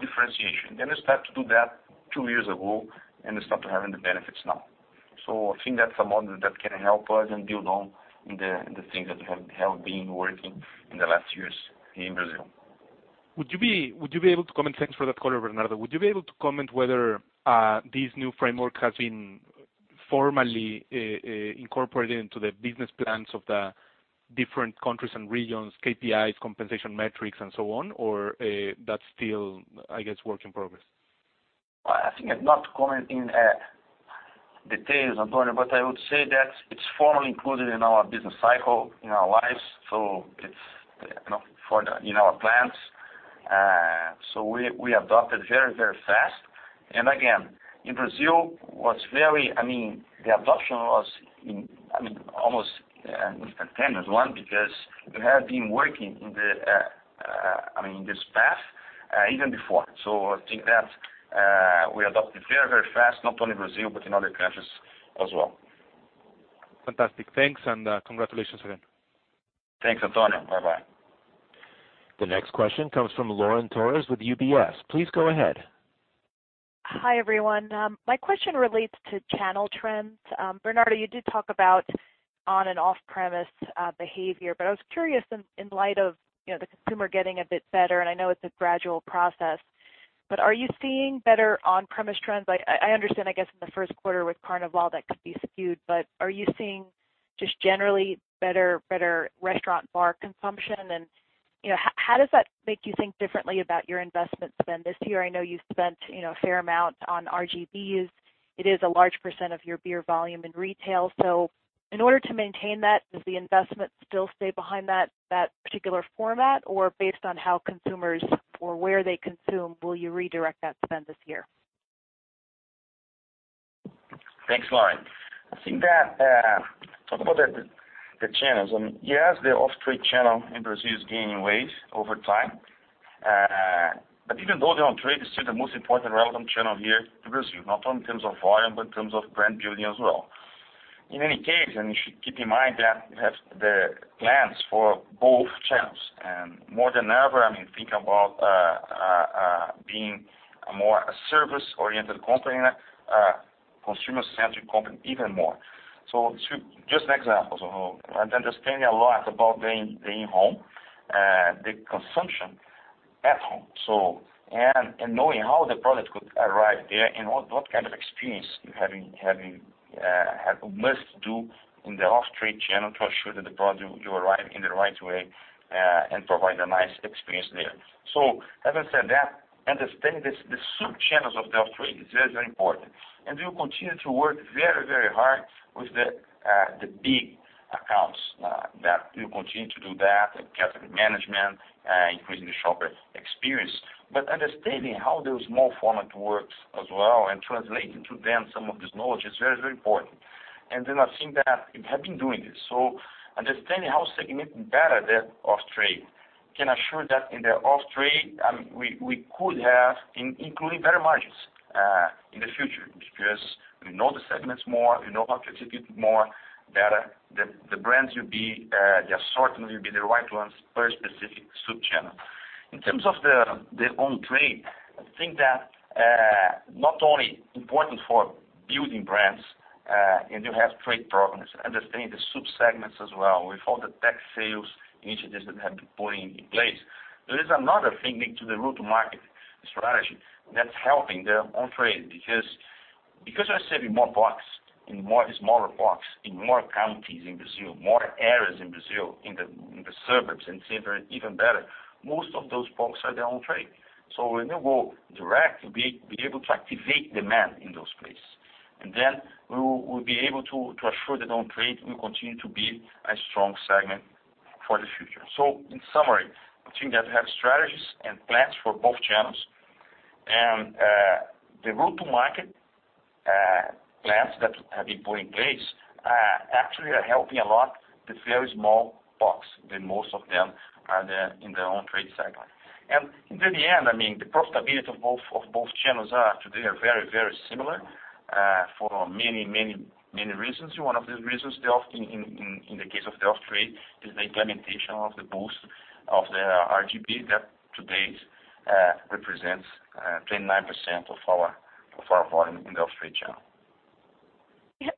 differentiation. We start to do that two years ago, and we start to having the benefits now. I think that's a model that can help us and build on in the things that we have been working in the last years here in Brazil. Thanks for that color, Bernardo. Would you be able to comment whether this new framework has been formally incorporated into the business plans of the different countries and regions, KPIs, compensation metrics, and so on? Or, that's still, I guess, work in progress? I think I'm not commenting on details, Antonio, but I would say that it's formally included in our business cycle, in our lines. It's, you know, in our plans. We adopted very, very fast. Again, in Brazil, I mean, the adoption was, I mean, almost instantaneous. One, because we have been working in this path, even before. I think that we adopted very, very fast, not only in Brazil, but in other countries as well. Fantastic. Thanks, and, congratulations again. Thanks, Antonio. Bye-bye. The next question comes from Lauren Torres with UBS. Please go ahead. Hi, everyone. My question relates to channel trends. Bernardo, you did talk about on and off premise behavior, but I was curious in light of, you know, the consumer getting a bit better, and I know it's a gradual process, but are you seeing better on-premise trends? I understand, I guess, in the first quarter with Carnival that could be skewed, but are you seeing just generally better restaurant bar consumption? And, you know, how does that make you think differently about your investment spend this year? I know you've spent, you know, a fair amount on RGBs. It is a large percent of your beer volume in retail. So in order to maintain that, does the investment still stay behind that particular format? Or based on how consumers or where they consume, will you redirect that spend this year? Thanks, Lauren. I think to talk about the channels. I mean, yes, the off-trade channel in Brazil is gaining weight over time. But even though the on-trade is still the most important relevant channel here in Brazil, not only in terms of volume, but in terms of brand building as well. In any case, you should keep in mind that we have the plans for both channels. More than ever, I mean, think about being a more service-oriented company and a consumer-centric company even more. Just an example. Understanding a lot about the in-home consumption at home. Knowing how the product could arrive there and what we must do in the off-trade channel to ensure that the product will arrive in the right way and provide a nice experience there. Having said that, understanding the sub channels of the off-trade is very, very important. We will continue to work very, very hard with the big accounts that we'll continue to do that and category management, increasing the shopper experience. Understanding how the small format works as well and translating to them some of this knowledge is very, very important. I think that we have been doing this. Understanding how significant data the off-trade can assure that in the off-trade, we could have including better margins in the future because we know the segments more, we know how to execute more better. The brands will be the assortment will be the right ones per specific sub channel. In terms of the on-trade, I think that not only important for building brands and you have trade partners, understanding the sub segments as well with all the tax sales initiatives that have been putting in place. There is another thing linked to the go-to-market strategy that's helping the on-trade. Because we're saving more boxes in more smaller boxes in more counties in Brazil, more areas in Brazil, in the suburbs, and cities are even better. Most of those boxes are the on-trade. When you go direct, we'll be able to activate demand in those places. We will be able to assure the on-trade will continue to be a strong segment for the future. In summary, I think that we have strategies and plans for both channels. The go-to-market plans that have been put in place actually are helping a lot the very small box, the most of them are in the on-trade segment. In the end, I mean, the profitability of both channels are today very similar for many reasons. One of these reasons, in the case of the off-trade is the implementation of the boost of the RGB that today represents 29% of our volume in the off-trade channel.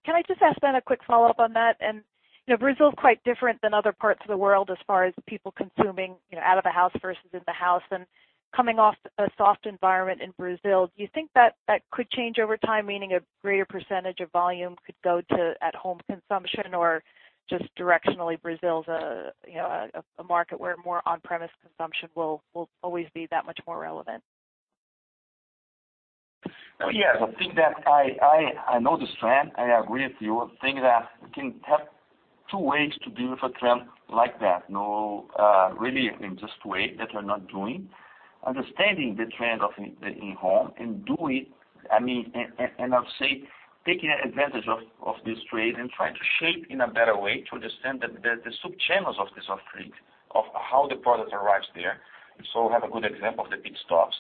Can I just ask a quick follow-up on that? You know, Brazil is quite different than other parts of the world as far as people consuming, you know, out of the house versus in the house. Coming off a soft environment in Brazil, do you think that could change over time, meaning a greater percentage of volume could go to at home consumption or just directionally, Brazil is a you know market where more on-premise consumption will always be that much more relevant? Well, yes. I think that I know this trend. I agree with you. I think that we can have two ways to deal with a trend like that. Understanding the trend of in-home and taking advantage of this trend and trying to shape in a better way to understand the sub channels of this off-trade, of how the product arrives there. So we have a good example of the Pit Stop.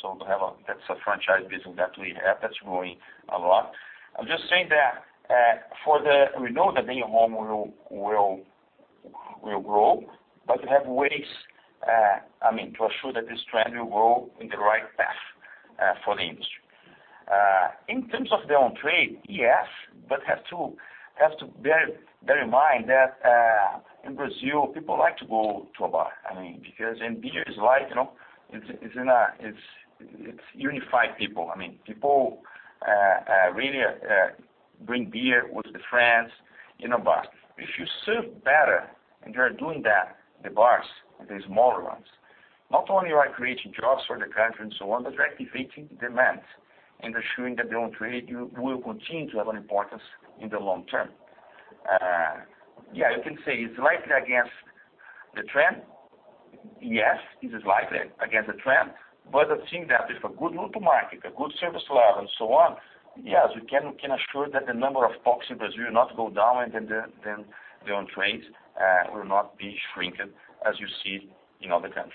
So we have that's a franchise business that we have that's growing a lot. I'm just saying that we know that the in-home will grow, but we have ways, I mean, to assure that this trend will grow in the right path for the industry. In terms of the on-trade, yes, but have to bear in mind that in Brazil, people like to go to a bar. I mean, because beer is like, you know, it unifies people. I mean, people really bring beer with the friends in a bar. If you serve better, and you are doing that, the bars, the smaller ones, not only you are creating jobs for the country and so on, but you're activating demand and assuring that the on-trade will continue to have an importance in the long term. Yeah, you can say it's likely against the trend. Yes, this is likely against the trend. I think that if a good go-to-market, a good service level and so on, yes, we can assure that the number of boxes in Brazil will not go down and then the on-trades will not be shrinking as you see in other countries.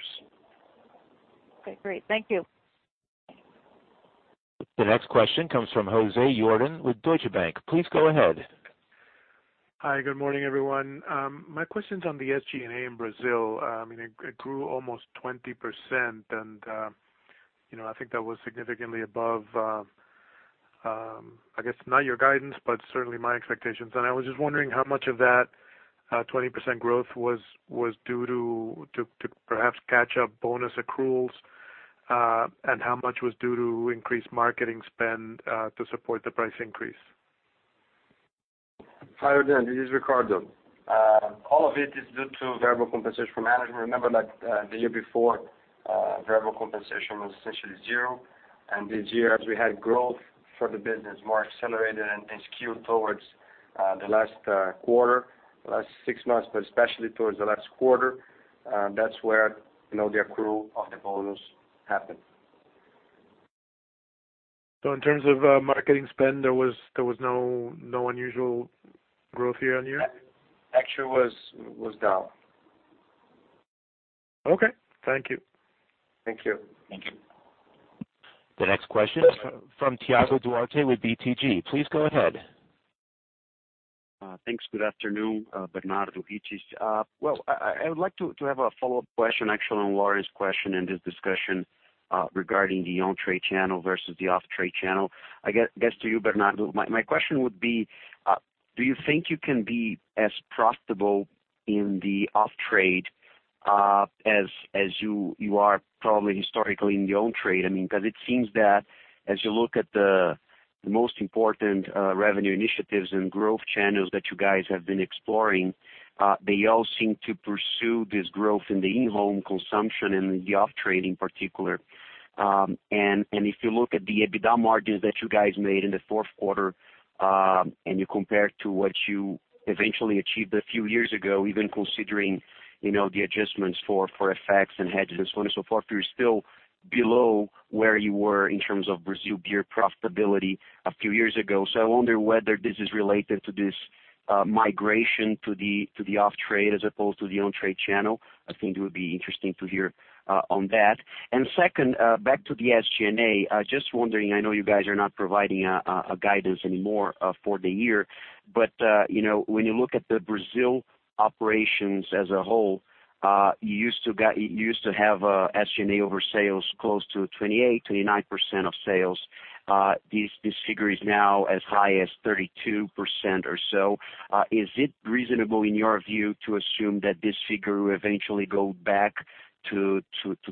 Okay, great. Thank you. The next question comes from Jose Yordan with Deutsche Bank. Please go ahead. Hi, good morning, everyone. My question's on the SG&A in Brazil. I mean, it grew almost 20%. You know, I think that was significantly above, I guess, not your guidance, but certainly my expectations. I was just wondering how much of that 20% growth was due to perhaps catch up bonus accruals, and how much was due to increased marketing spend to support the price increase? Hi, Jose, this is Ricardo. All of it is due to variable compensation management. Remember that, the year before, variable compensation was essentially zero. This year, as we had growth for the business, more accelerated and skewed towards The last quarter, the last six months, but especially towards the last quarter, that's where, you know, the accrual of the bonus happened. In terms of marketing spend, there was no unusual growth year-on-year? Actually was down. Okay. Thank you. Thank you. Thank you. The next question from Thiago Duarte with BTG. Please go ahead. Thanks. Good afternoon, Bernardo, Rittes. Well, I would like to have a follow-up question actually on Lauren's question and this discussion regarding the on-trade channel versus the off-trade channel. I guess to you, Bernardo, my question would be, do you think you can be as profitable in the off-trade as you are probably historically in the on-trade? I mean, 'cause it seems that as you look at the most important revenue initiatives and growth channels that you guys have been exploring, they all seem to pursue this growth in the in-home consumption and the off-trade in particular. If you look at the EBITDA margins that you guys made in the fourth quarter, and you compare to what you eventually achieved a few years ago, even considering, you know, the adjustments for effects and hedges and so on and so forth, you're still below where you were in terms of Brazil beer profitability a few years ago. I wonder whether this is related to this migration to the off-trade as opposed to the on-trade channel. I think it would be interesting to hear on that. Second, back to the SG&A, I was just wondering. I know you guys are not providing a guidance anymore for the year. You know, when you look at the Brazil operations as a whole, you used to have SG&A over sales close to 28%-29% of sales. This figure is now as high as 32% or so. Is it reasonable in your view to assume that this figure will eventually go back to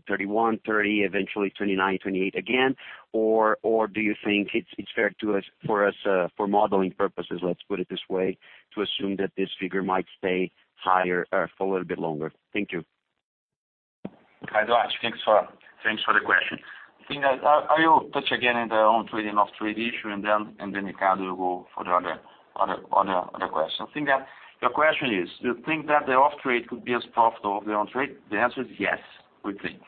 31, 30, eventually 29, 28 again? Or do you think it's fair for us, for modeling purposes, let's put it this way, to assume that this figure might stay higher for a little bit longer? Thank you. Hi, Duarte. Thanks for the question. I think that I will touch again in the on-trade and off-trade issue and then Ricardo will go for the other question. I think that your question is, do you think that the off-trade could be as profitable as the on-trade? The answer is yes, we think.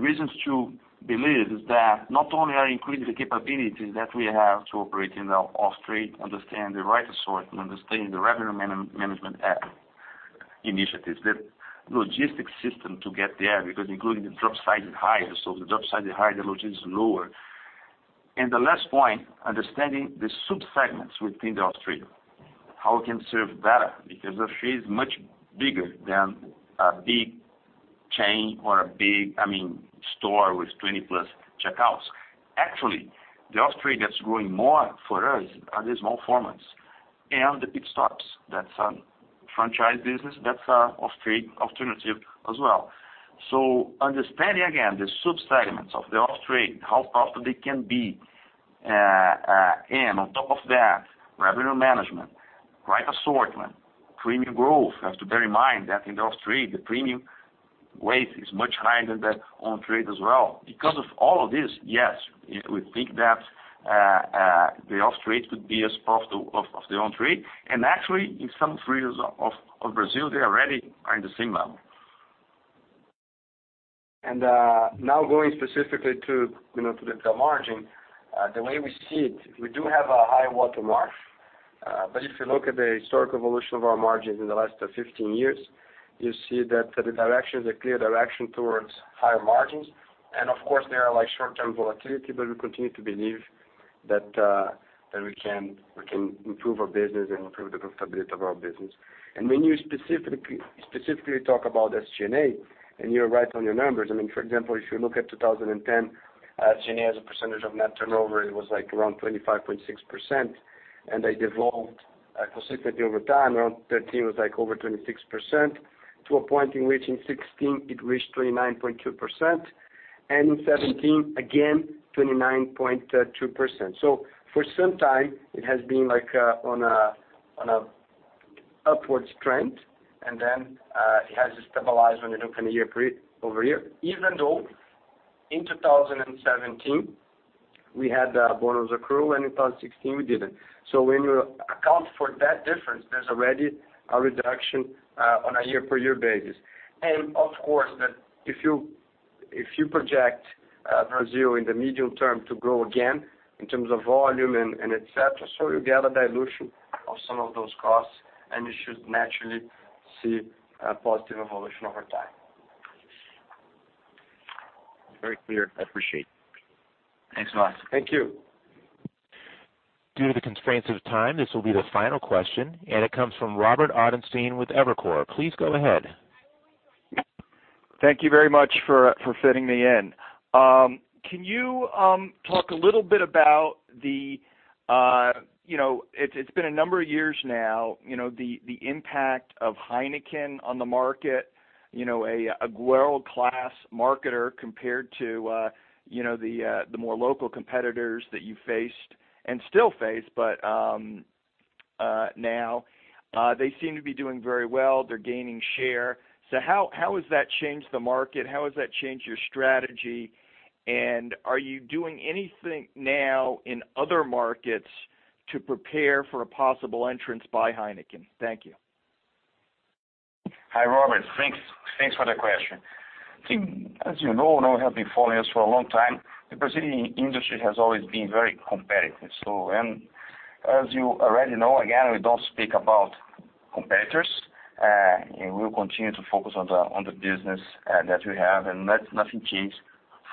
Reasons to believe is that not only are increasing the capabilities that we have to operate in the off-trade, understand the right assortment, understand the revenue management initiatives, the logistics system to get there, because including the drop size is higher. So if the drop size is higher, the logistics is lower. The last point, understanding the subsegments within the off-trade. How we can serve better? Because off-trade is much bigger than a big chain or a big, I mean, store with 20+ checkouts. Actually, the off-trade that's growing more for us are the small formats and the Pit Stop. That's our franchise business. That's our off-trade alternative as well. So understanding, again, the subsegments of the off-trade, how profitable they can be, and on top of that, revenue management, right assortment, premium growth. You have to bear in mind that in the off-trade, the premium weight is much higher than the on-trade as well. Because of all of this, yes, we think that the off-trade could be as profitable of the on-trade. Actually, in some regions of Brazil, they already are in the same level. Now going specifically to, you know, to the margin, the way we see it, we do have a high water mark. But if you look at the historic evolution of our margins in the last 15 years, you see that the direction is a clear direction towards higher margins. Of course, there are like short-term volatility, but we continue to believe that we can improve our business and improve the profitability of our business. When you specifically talk about SG&A, and you're right on your numbers. I mean, for example, if you look at 2010, SG&A as a percentage of net turnover, it was like around 25.6%. They developed consistently over time. Around 2013 was like over 26% to a point in which in 2016 it reached 29.2%. In 2017, again, 29.2%. For some time, it has been like on a upward trend. It has stabilized when you look year-over-year. Even though in 2017, we had a bonus accrue, and in 2016 we didn't. When you account for that difference, there's already a reduction on a year per year basis. Of course, that if you project Brazil in the medium term to grow again in terms of volume and et cetera, you get a dilution of some of those costs, and you should naturally see a positive evolution over time. Very clear. I appreciate. Thanks a lot. Thank you. Due to the constraints of time, this will be the final question, and it comes from Robert Ottenstein with Evercore. Please go ahead. Thank you very much for fitting me in. Can you talk a little bit about you know it's been a number of years now you know the impact of Heineken on the market you know a world-class marketer compared to you know the more local competitors that you faced and still face but now they seem to be doing very well. They're gaining share. So how has that changed the market? How has that changed your strategy? Are you doing anything now in other markets to prepare for a possible entrance by Heineken? Thank you. Hi, Robert. Thanks for the question. As you know, I know you have been following us for a long time, the Brazilian industry has always been very competitive. As you already know, again, we don't speak about competitors, and we will continue to focus on the business that we have, and that's nothing changed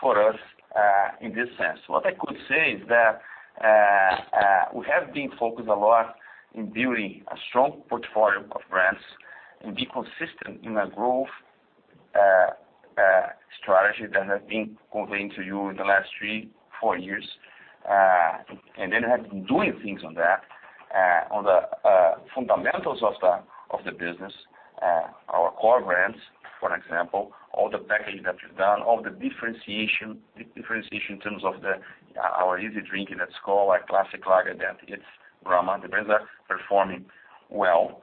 for us in this sense. What I could say is that we have been focused a lot in building a strong portfolio of brands and be consistent in a growth strategy that has been conveyed to you in the last 3, 4 years. Have been doing things on that, on the fundamentals of the business, our core brands, for example, all the packaging that we've done, all the differentiation in terms of our easy drinking that Skol, our classic lager that it's Brahma, they're both performing well.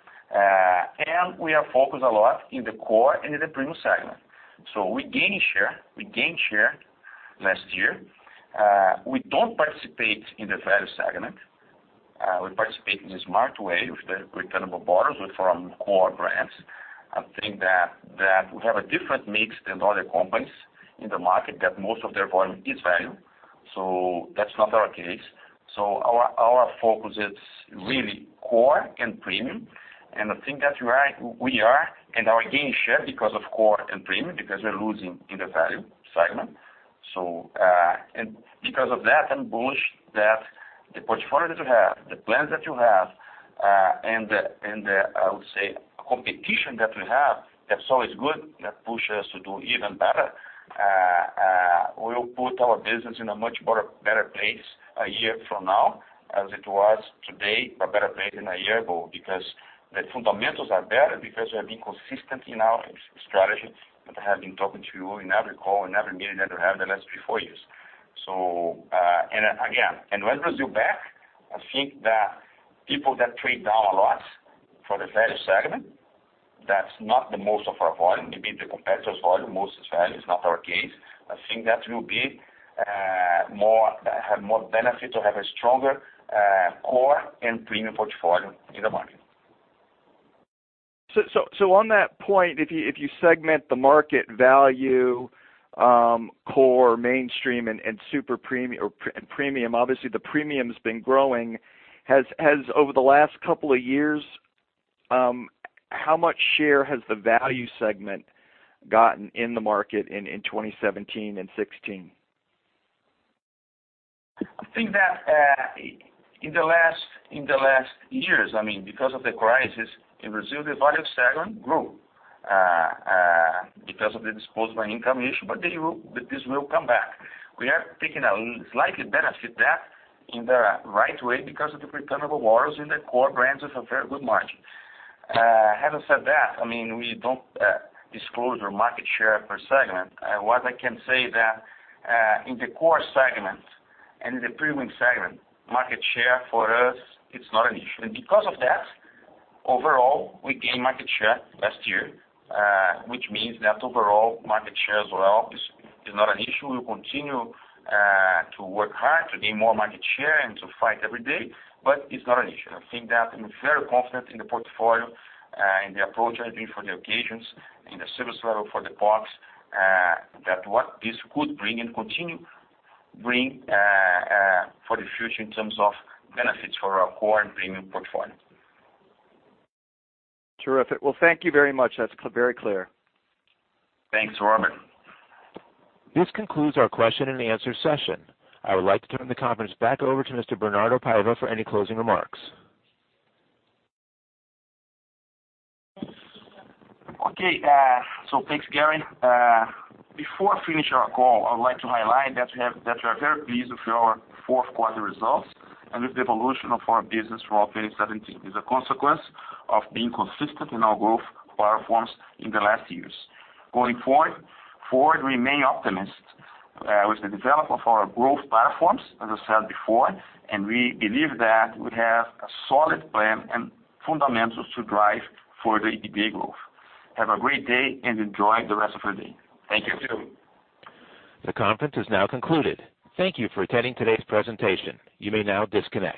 We are focused a lot in the core and in the premium segment. We gain share, we gained share last year. We don't participate in the value segment. We participate in a smart way with the returnable bottles from core brands. I think that we have a different mix than other companies in the market that most of their volume is value. That's not our case. Our focus is really core and premium. I think that we are gaining share because of core and premium, because we're losing in the value segment. Because of that, I'm bullish that the portfolio that you have, the plans that you have, and the competition that we have, that's always good, that push us to do even better, will put our business in a much better place a year from now than it is today, a better place than a year ago, because the fundamentals are better because we have been consistent in our strategy that I have been talking to you in every call, in every meeting that we have the last three, four years. When Brazil back, I think that people that trade down a lot for the value segment, that's not the most of our volume. Maybe the competitor's volume, most is value, it's not our case. I think that will be more benefit to have a stronger core and premium portfolio in the market. On that point, if you segment the market value, core mainstream and super premium, or premium, obviously the premium has been growing. Has over the last couple of years, how much share has the value segment gotten in the market in 2017 and 2016? I think that in the last years, I mean, because of the crisis in Brazil, the value segment grew because of the disposable income issue, but this will come back. We are taking a slight benefit that in the right way because of the returnable bottles in the core brands with a very good margin. Having said that, I mean, we don't disclose our market share per segment. What I can say that in the core segment and in the premium segment, market share for us, it's not an issue. Because of that, overall, we gained market share last year, which means that overall market share as well is not an issue. We continue to work hard to gain more market share and to fight every day, but it's not an issue. I think that I'm very confident in the portfolio, in the approach I do for the occasions, in the service level for the parks, that what this could bring and continue bring for the future in terms of benefits for our core and premium portfolio. Terrific. Well, thank you very much. That's very clear. Thanks, Robert. This concludes our question and answer session. I would like to turn the conference back over to Mr. Bernardo Paiva for any closing remarks. Okay. Thanks, Gary. Before I finish our call, I would like to highlight that we are very pleased with our fourth quarter results and with the evolution of our business for all 2017, is a consequence of being consistent in our growth platforms in the last years. Going forward, we remain optimistic with the development of our growth platforms, as I said before, and we believe that we have a solid plan and fundamentals to drive further EBITDA growth. Have a great day, and enjoy the rest of your day. Thank you. The conference is now concluded. Thank you for attending today's presentation. You may now disconnect.